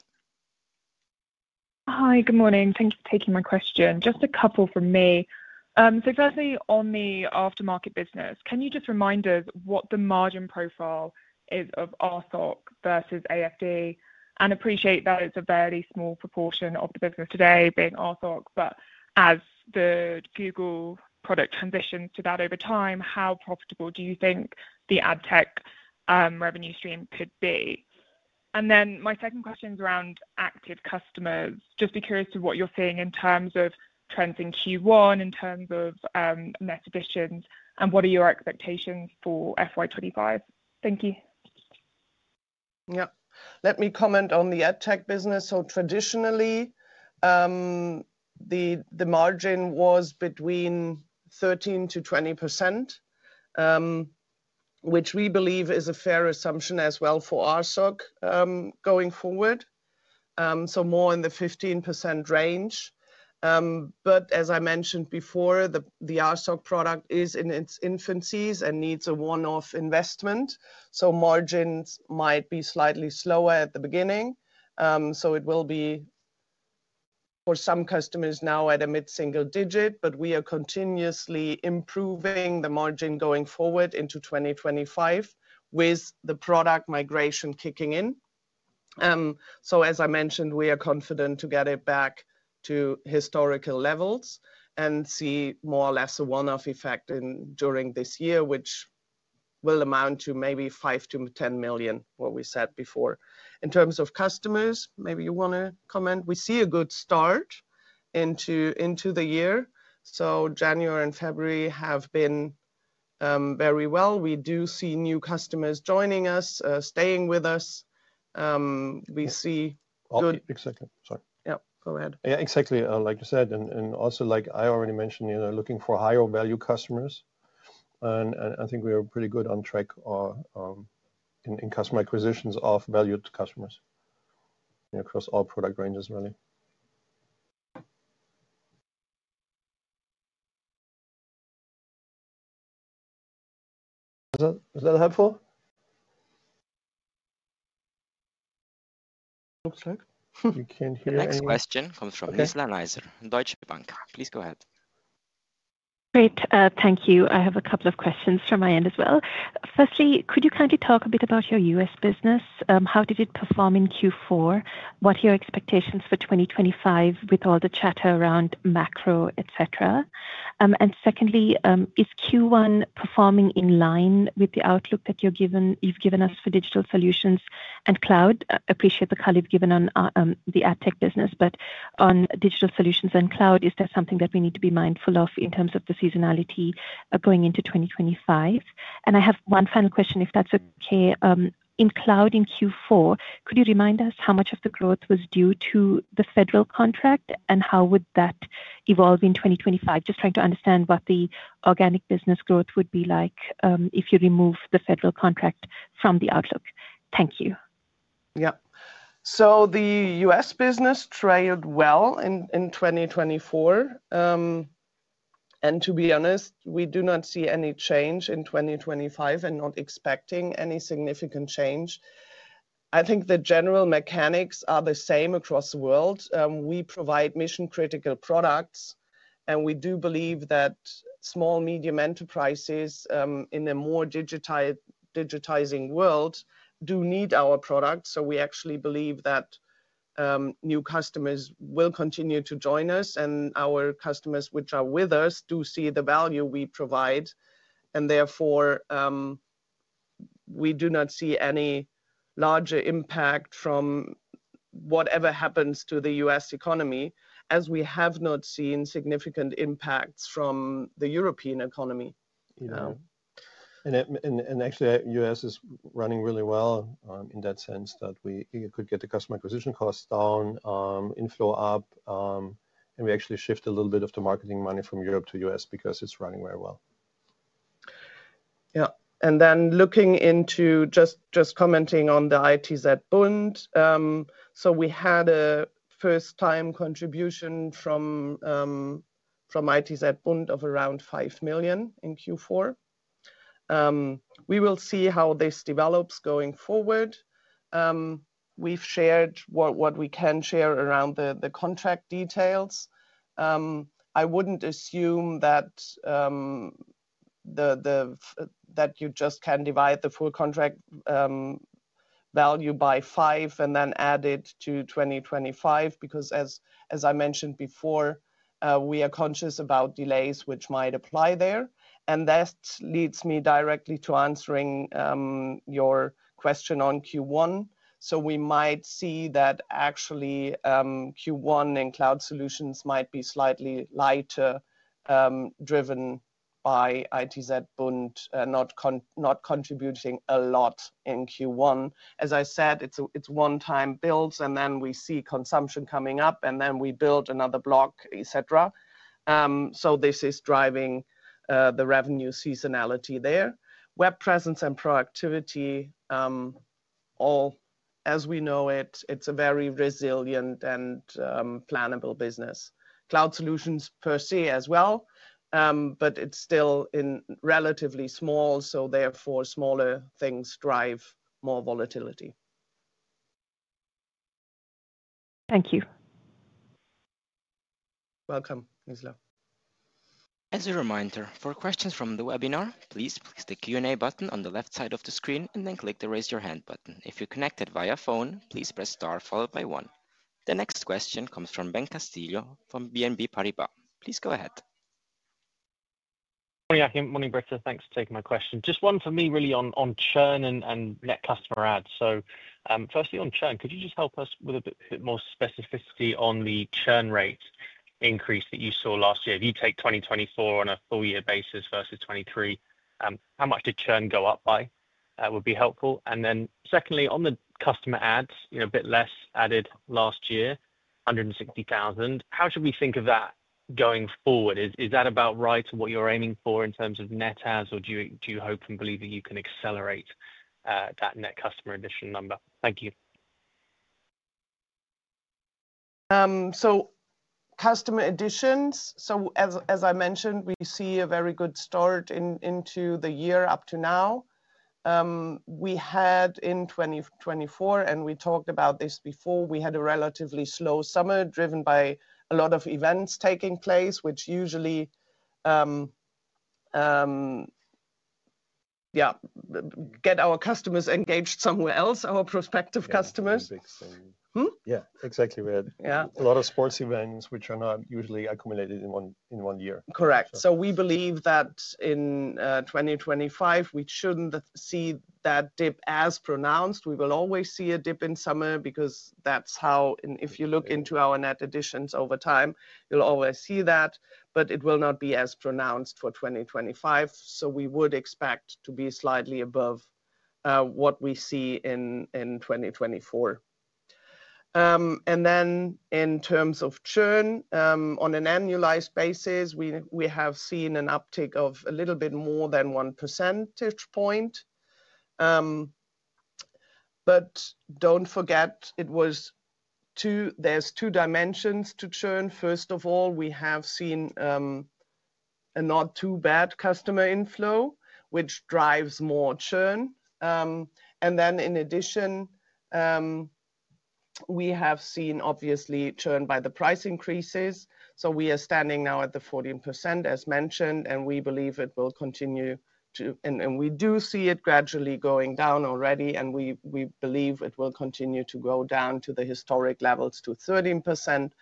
Hi, good morning. Thank you for taking my question. Just a couple from me. Firstly, on the aftermarket business, can you just remind us what the margin profile is of RSOC versus AFD? I appreciate that it is a fairly small proportion of the business today being RSOC, but as the Google product transitions to that over time, how profitable do you think the AdTech revenue stream could be? My second question is around active customers. Just be curious to what you are seeing in terms of trends in Q1, in terms of net additions, and what are your expectations for FY2025? Thank you. Yeah. Let me comment on the AdTech business. Traditionally, the margin was between 13-20%, which we believe is a fair assumption as well for RSOC going forward. More in the 15% range. As I mentioned before, the RSOC product is in its infancies and needs a one-off investment. Margins might be slightly slower at the beginning. It will be for some customers now, at a mid-single digit, but we are continuously improving the margin going forward into 2025 with the product migration kicking in. As I mentioned, we are confident to get it back to historical levels and see more or less a one-off effect during this year, which will amount to maybe 5 million-10 million, what we said before. In terms of customers, maybe you want to comment? We see a good start into the year. January and February have been very well. We do see new customers joining us, staying with us. We see good. Exactly. Sorry. Yeah, go ahead. Yeah, exactly. Like you said, and also like I already mentioned, looking for higher-value customers. I think we are pretty good on track in customer acquisitions of valued customers across all product ranges, really. Was that helpful? Looks like we can't hear any. Next question comes from Nizla Naizer, Deutsche Bank. Please go ahead. Great. Thank you. I have a couple of questions from my end as well. Firstly, could you kindly talk a bit about your US business? How did it perform in Q4? What are your expectations for 2025 with all the chatter around macro, etc.? Secondly, is Q1 performing in line with the outlook that you've given us for digital solutions and cloud? I appreciate the color you've given on the AdTech business, but on digital solutions and cloud, is there something that we need to be mindful of in terms of the seasonality going into 2025? I have one final question, if that's okay. In cloud in Q4, could you remind us how much of the growth was due to the federal contract, and how would that evolve in 2025? Just trying to understand what the organic business growth would be like if you remove the federal contract from the outlook. Thank you. Yeah. The U.S. business trailed well in 2024. To be honest, we do not see any change in 2025 and not expecting any significant change. I think the general mechanics are the same across the world. We provide mission-critical products, and we do believe that small, medium enterprises in a more digitizing world do need our products. We actually believe that new customers will continue to join us, and our customers which are with us do see the value we provide. Therefore, we do not see any larger impact from whatever happens to the U.S. economy, as we have not seen significant impacts from the European economy. Actually, the U.S. is running really well in that sense that we could get the customer acquisition costs down, inflow up, and we actually shift a little bit of the marketing money from Europe to the U.S. because it is running very well. Yeah. Looking into just commenting on the ITZBund, we had a first-time contribution from ITZBund of around 5 million in Q4. We will see how this develops going forward. We have shared what we can share around the contract details. I would not assume that you just can divide the full contract value by five and then add it to 2025 because, as I mentioned before, we are conscious about delays which might apply there. That leads me directly to answering your question on Q1. We might see that actually Q1 in cloud solutions might be slightly lighter, driven by ITZBund not contributing a lot in Q1. As I said, it is one-time builds, and then we see consumption coming up, and then we build another block, etc. This is driving the revenue seasonality there. Web presence and productivity, as we know it, is a very resilient and plannable business. Cloud solutions per se as well, but it is still relatively small, so therefore smaller things drive more volatility. Thank you. Welcome, Nizla. As a reminder, for questions from the webinar, please press the Q&A button on the left side of the screen and then click the raise your hand button. If you are connected via phone, please press star followed by one. The next question comes from Ben Castillo from BNP Paribas. Please go ahead. Morning, Britta. Thanks for taking my question. Just one for me really on churn and net customer ads. Firstly, on churn, could you just help us with a bit more specificity on the churn rate increase that you saw last year? If you take 2024 on a full-year basis versus 2023, how much did churn go up by? That would be helpful. Secondly, on the customer ads, a bit less added last year, 160,000. How should we think of that going forward? Is that about right to what you're aiming for in terms of net ads, or do you hope and believe that you can accelerate that net customer addition number? Thank you. Customer additions, as I mentioned, we see a very good start into the year up to now. We had in 2024, and we talked about this before, we had a relatively slow summer driven by a lot of events taking place, which usually, yeah, get our customers engaged somewhere else, our prospective customers. Yeah, exactly. We had a lot of sports events which are not usually accumulated in one year. Correct. We believe that in 2025, we should not see that dip as pronounced. We will always see a dip in summer because that is how, if you look into our net additions over time, you will always see that, but it will not be as pronounced for 2025. We would expect to be slightly above what we see in 2024. In terms of churn, on an annualized basis, we have seen an uptick of a little bit more than 1 percentage point. Do not forget, there are two dimensions to churn. First of all, we have seen a not-too-bad customer inflow, which drives more churn. In addition, we have seen, obviously, churn by the price increases. We are standing now at the 14%, as mentioned, and we believe it will continue. We do see it gradually going down already, and we believe it will continue to go down to the historic levels to 13%.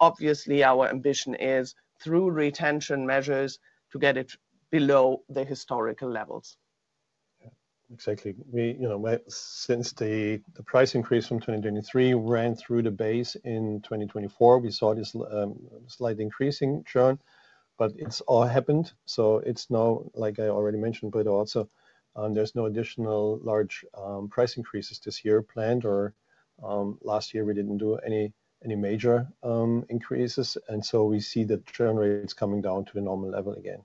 Obviously, our ambition is through retention measures to get it below the historical levels. Exactly. Since the price increase from 2023 ran through the base in 2024, we saw this slight increase in churn, but it has all happened. It is now, like I already mentioned, but also there are no additional large price increases this year planned. Last year, we did not do any major increases. We see the churn rates coming down to the normal level again.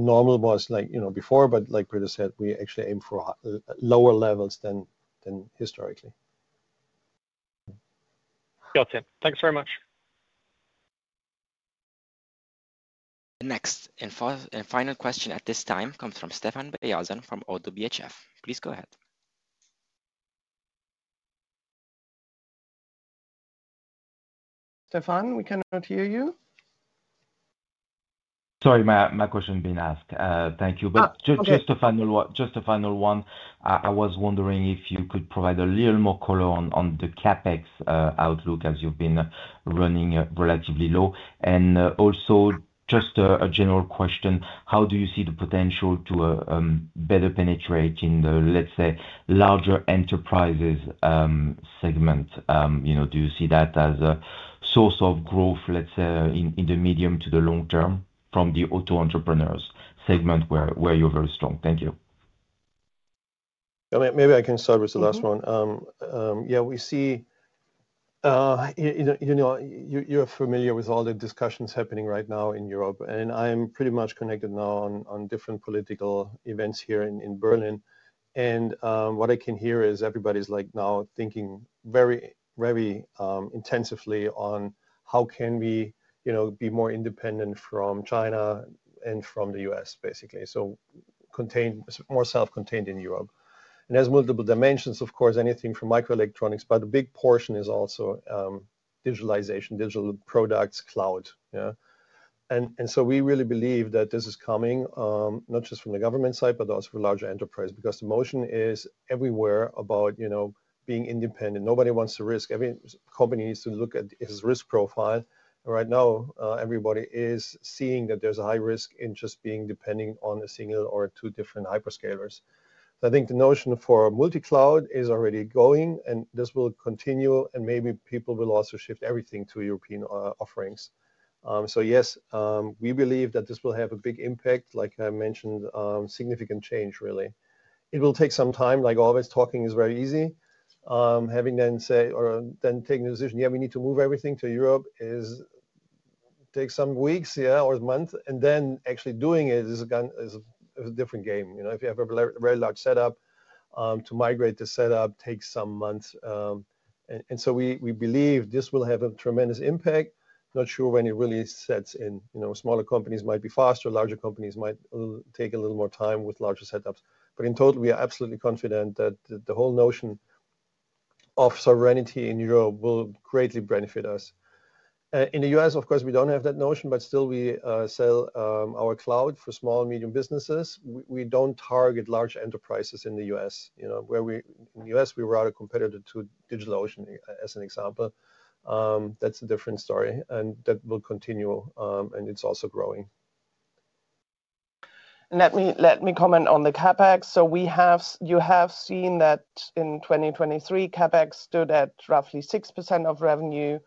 Normal was like before, but like Britta said, we actually aim for lower levels than historically. Got it. Thanks very much. The next and final question at this time comes from Stephane Beyazian from ODDO BHF. Please go ahead. Stefan, we cannot hear you. Sorry, my question is being asked. Thank you. Just a final one. I was wondering if you could provide a little more color on the CapEx outlook as you've been running relatively low. Also, just a general question, how do you see the potential to better penetrate in the, let's say, larger enterprises segment? Do you see that as a source of growth, let's say, in the medium to the long term from the auto-entrepreneurs segment where you're very strong? Thank you. Maybe I can start with the last one. Yeah, we see you're familiar with all the discussions happening right now in Europe. I'm pretty much connected now on different political events here in Berlin. What I can hear is everybody's now thinking very intensively on how can we be more independent from China and from the U.S., basically, so more self-contained in Europe. There's multiple dimensions, of course, anything from microelectronics, but a big portion is also digitalization, digital products, cloud. We really believe that this is coming not just from the government side, but also for larger enterprises because the motion is everywhere about being independent. Nobody wants to risk. Every company needs to look at its risk profile. Right now, everybody is seeing that there's a high risk in just being depending on a single or two different hyperscalers. I think the notion for multi-cloud is already going, and this will continue, and maybe people will also shift everything to European offerings. Yes, we believe that this will have a big impact, like I mentioned, significant change, really. It will take some time. Like always, talking is very easy. Having then taken a decision, yeah, we need to move everything to Europe takes some weeks, yeah, or months, and then actually doing it is a different game. If you have a very large setup, to migrate the setup takes some months. We believe this will have a tremendous impact. Not sure when it really sets in. Smaller companies might be faster. Larger companies might take a little more time with larger setups. In total, we are absolutely confident that the whole notion of sovereignty in Europe will greatly benefit us. In the U.S., of course, we don't have that notion, but still, we sell our cloud for small and medium businesses. We don't target large enterprises in the U.S. In the U.S., we were rather competitive to DigitalOcean, as an example. That's a different story, and that will continue, and it's also growing. Let me comment on the CapEx. You have seen that in 2023, CapEx stood at roughly 6% of revenue.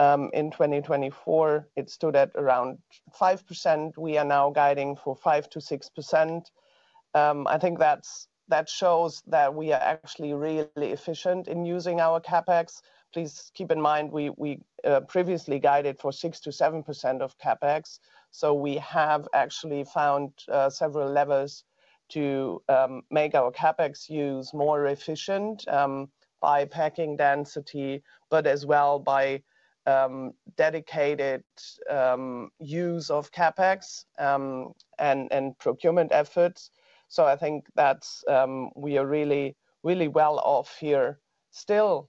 In 2024, it stood at around 5%. We are now guiding for 5-6%. I think that shows that we are actually really efficient in using our CapEx. Please keep in mind we previously guided for 6-7% of CapEx. We have actually found several levers to make our CapEx use more efficient by packing density, but as well by dedicated use of CapEx and procurement efforts. I think that we are really, really well off here still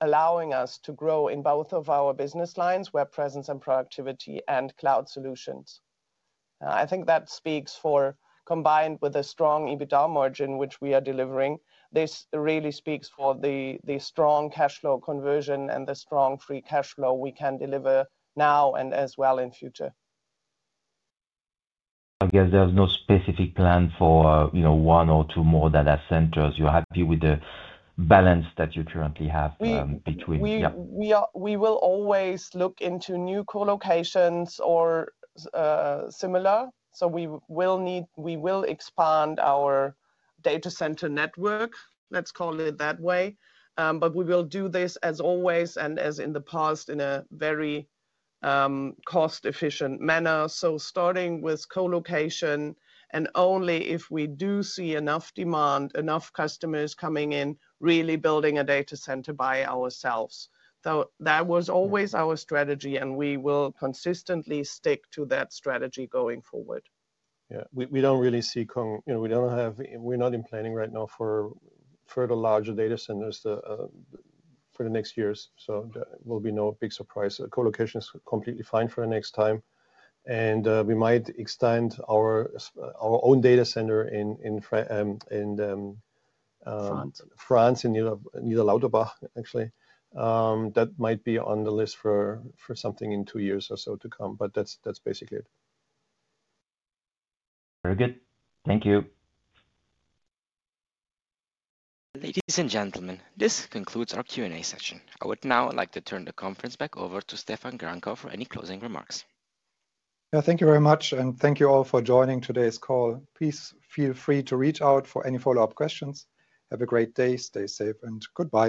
allowing us to grow in both of our business lines, web presence and productivity and cloud solutions. I think that speaks for combined with a strong EBITDA margin, which we are delivering. This really speaks for the strong cash flow conversion and the strong free cash flow we can deliver now and as well in future. I guess there is no specific plan for one or two more data centers. You are happy with the balance that you currently have between? We will always look into new colocations or similar. We will expand our data center network, let's call it that way. We will do this as always and as in the past in a very cost-efficient manner. Starting with Colocation and only if we do see enough demand, enough customers coming in, really building a data center by ourselves. That was always our strategy, and we will consistently stick to that strategy going forward. Yeah, we do not really see, we are not in planning right now for further larger data centers for the next years. There will be no big surprise. Colocation is completely fine for the next time. We might extend our own data center in France. That might be on the list for something in two years or so to come, but that is basically it. Very good. Thank you. Ladies and gentlemen, this concludes our Q&A session. I would now like to turn the conference back over to Stephan Gramkow for any closing remarks. Thank you very much, and thank you all for joining today's call. Please feel free to reach out for any follow-up questions. Have a great day, stay safe, and goodbye.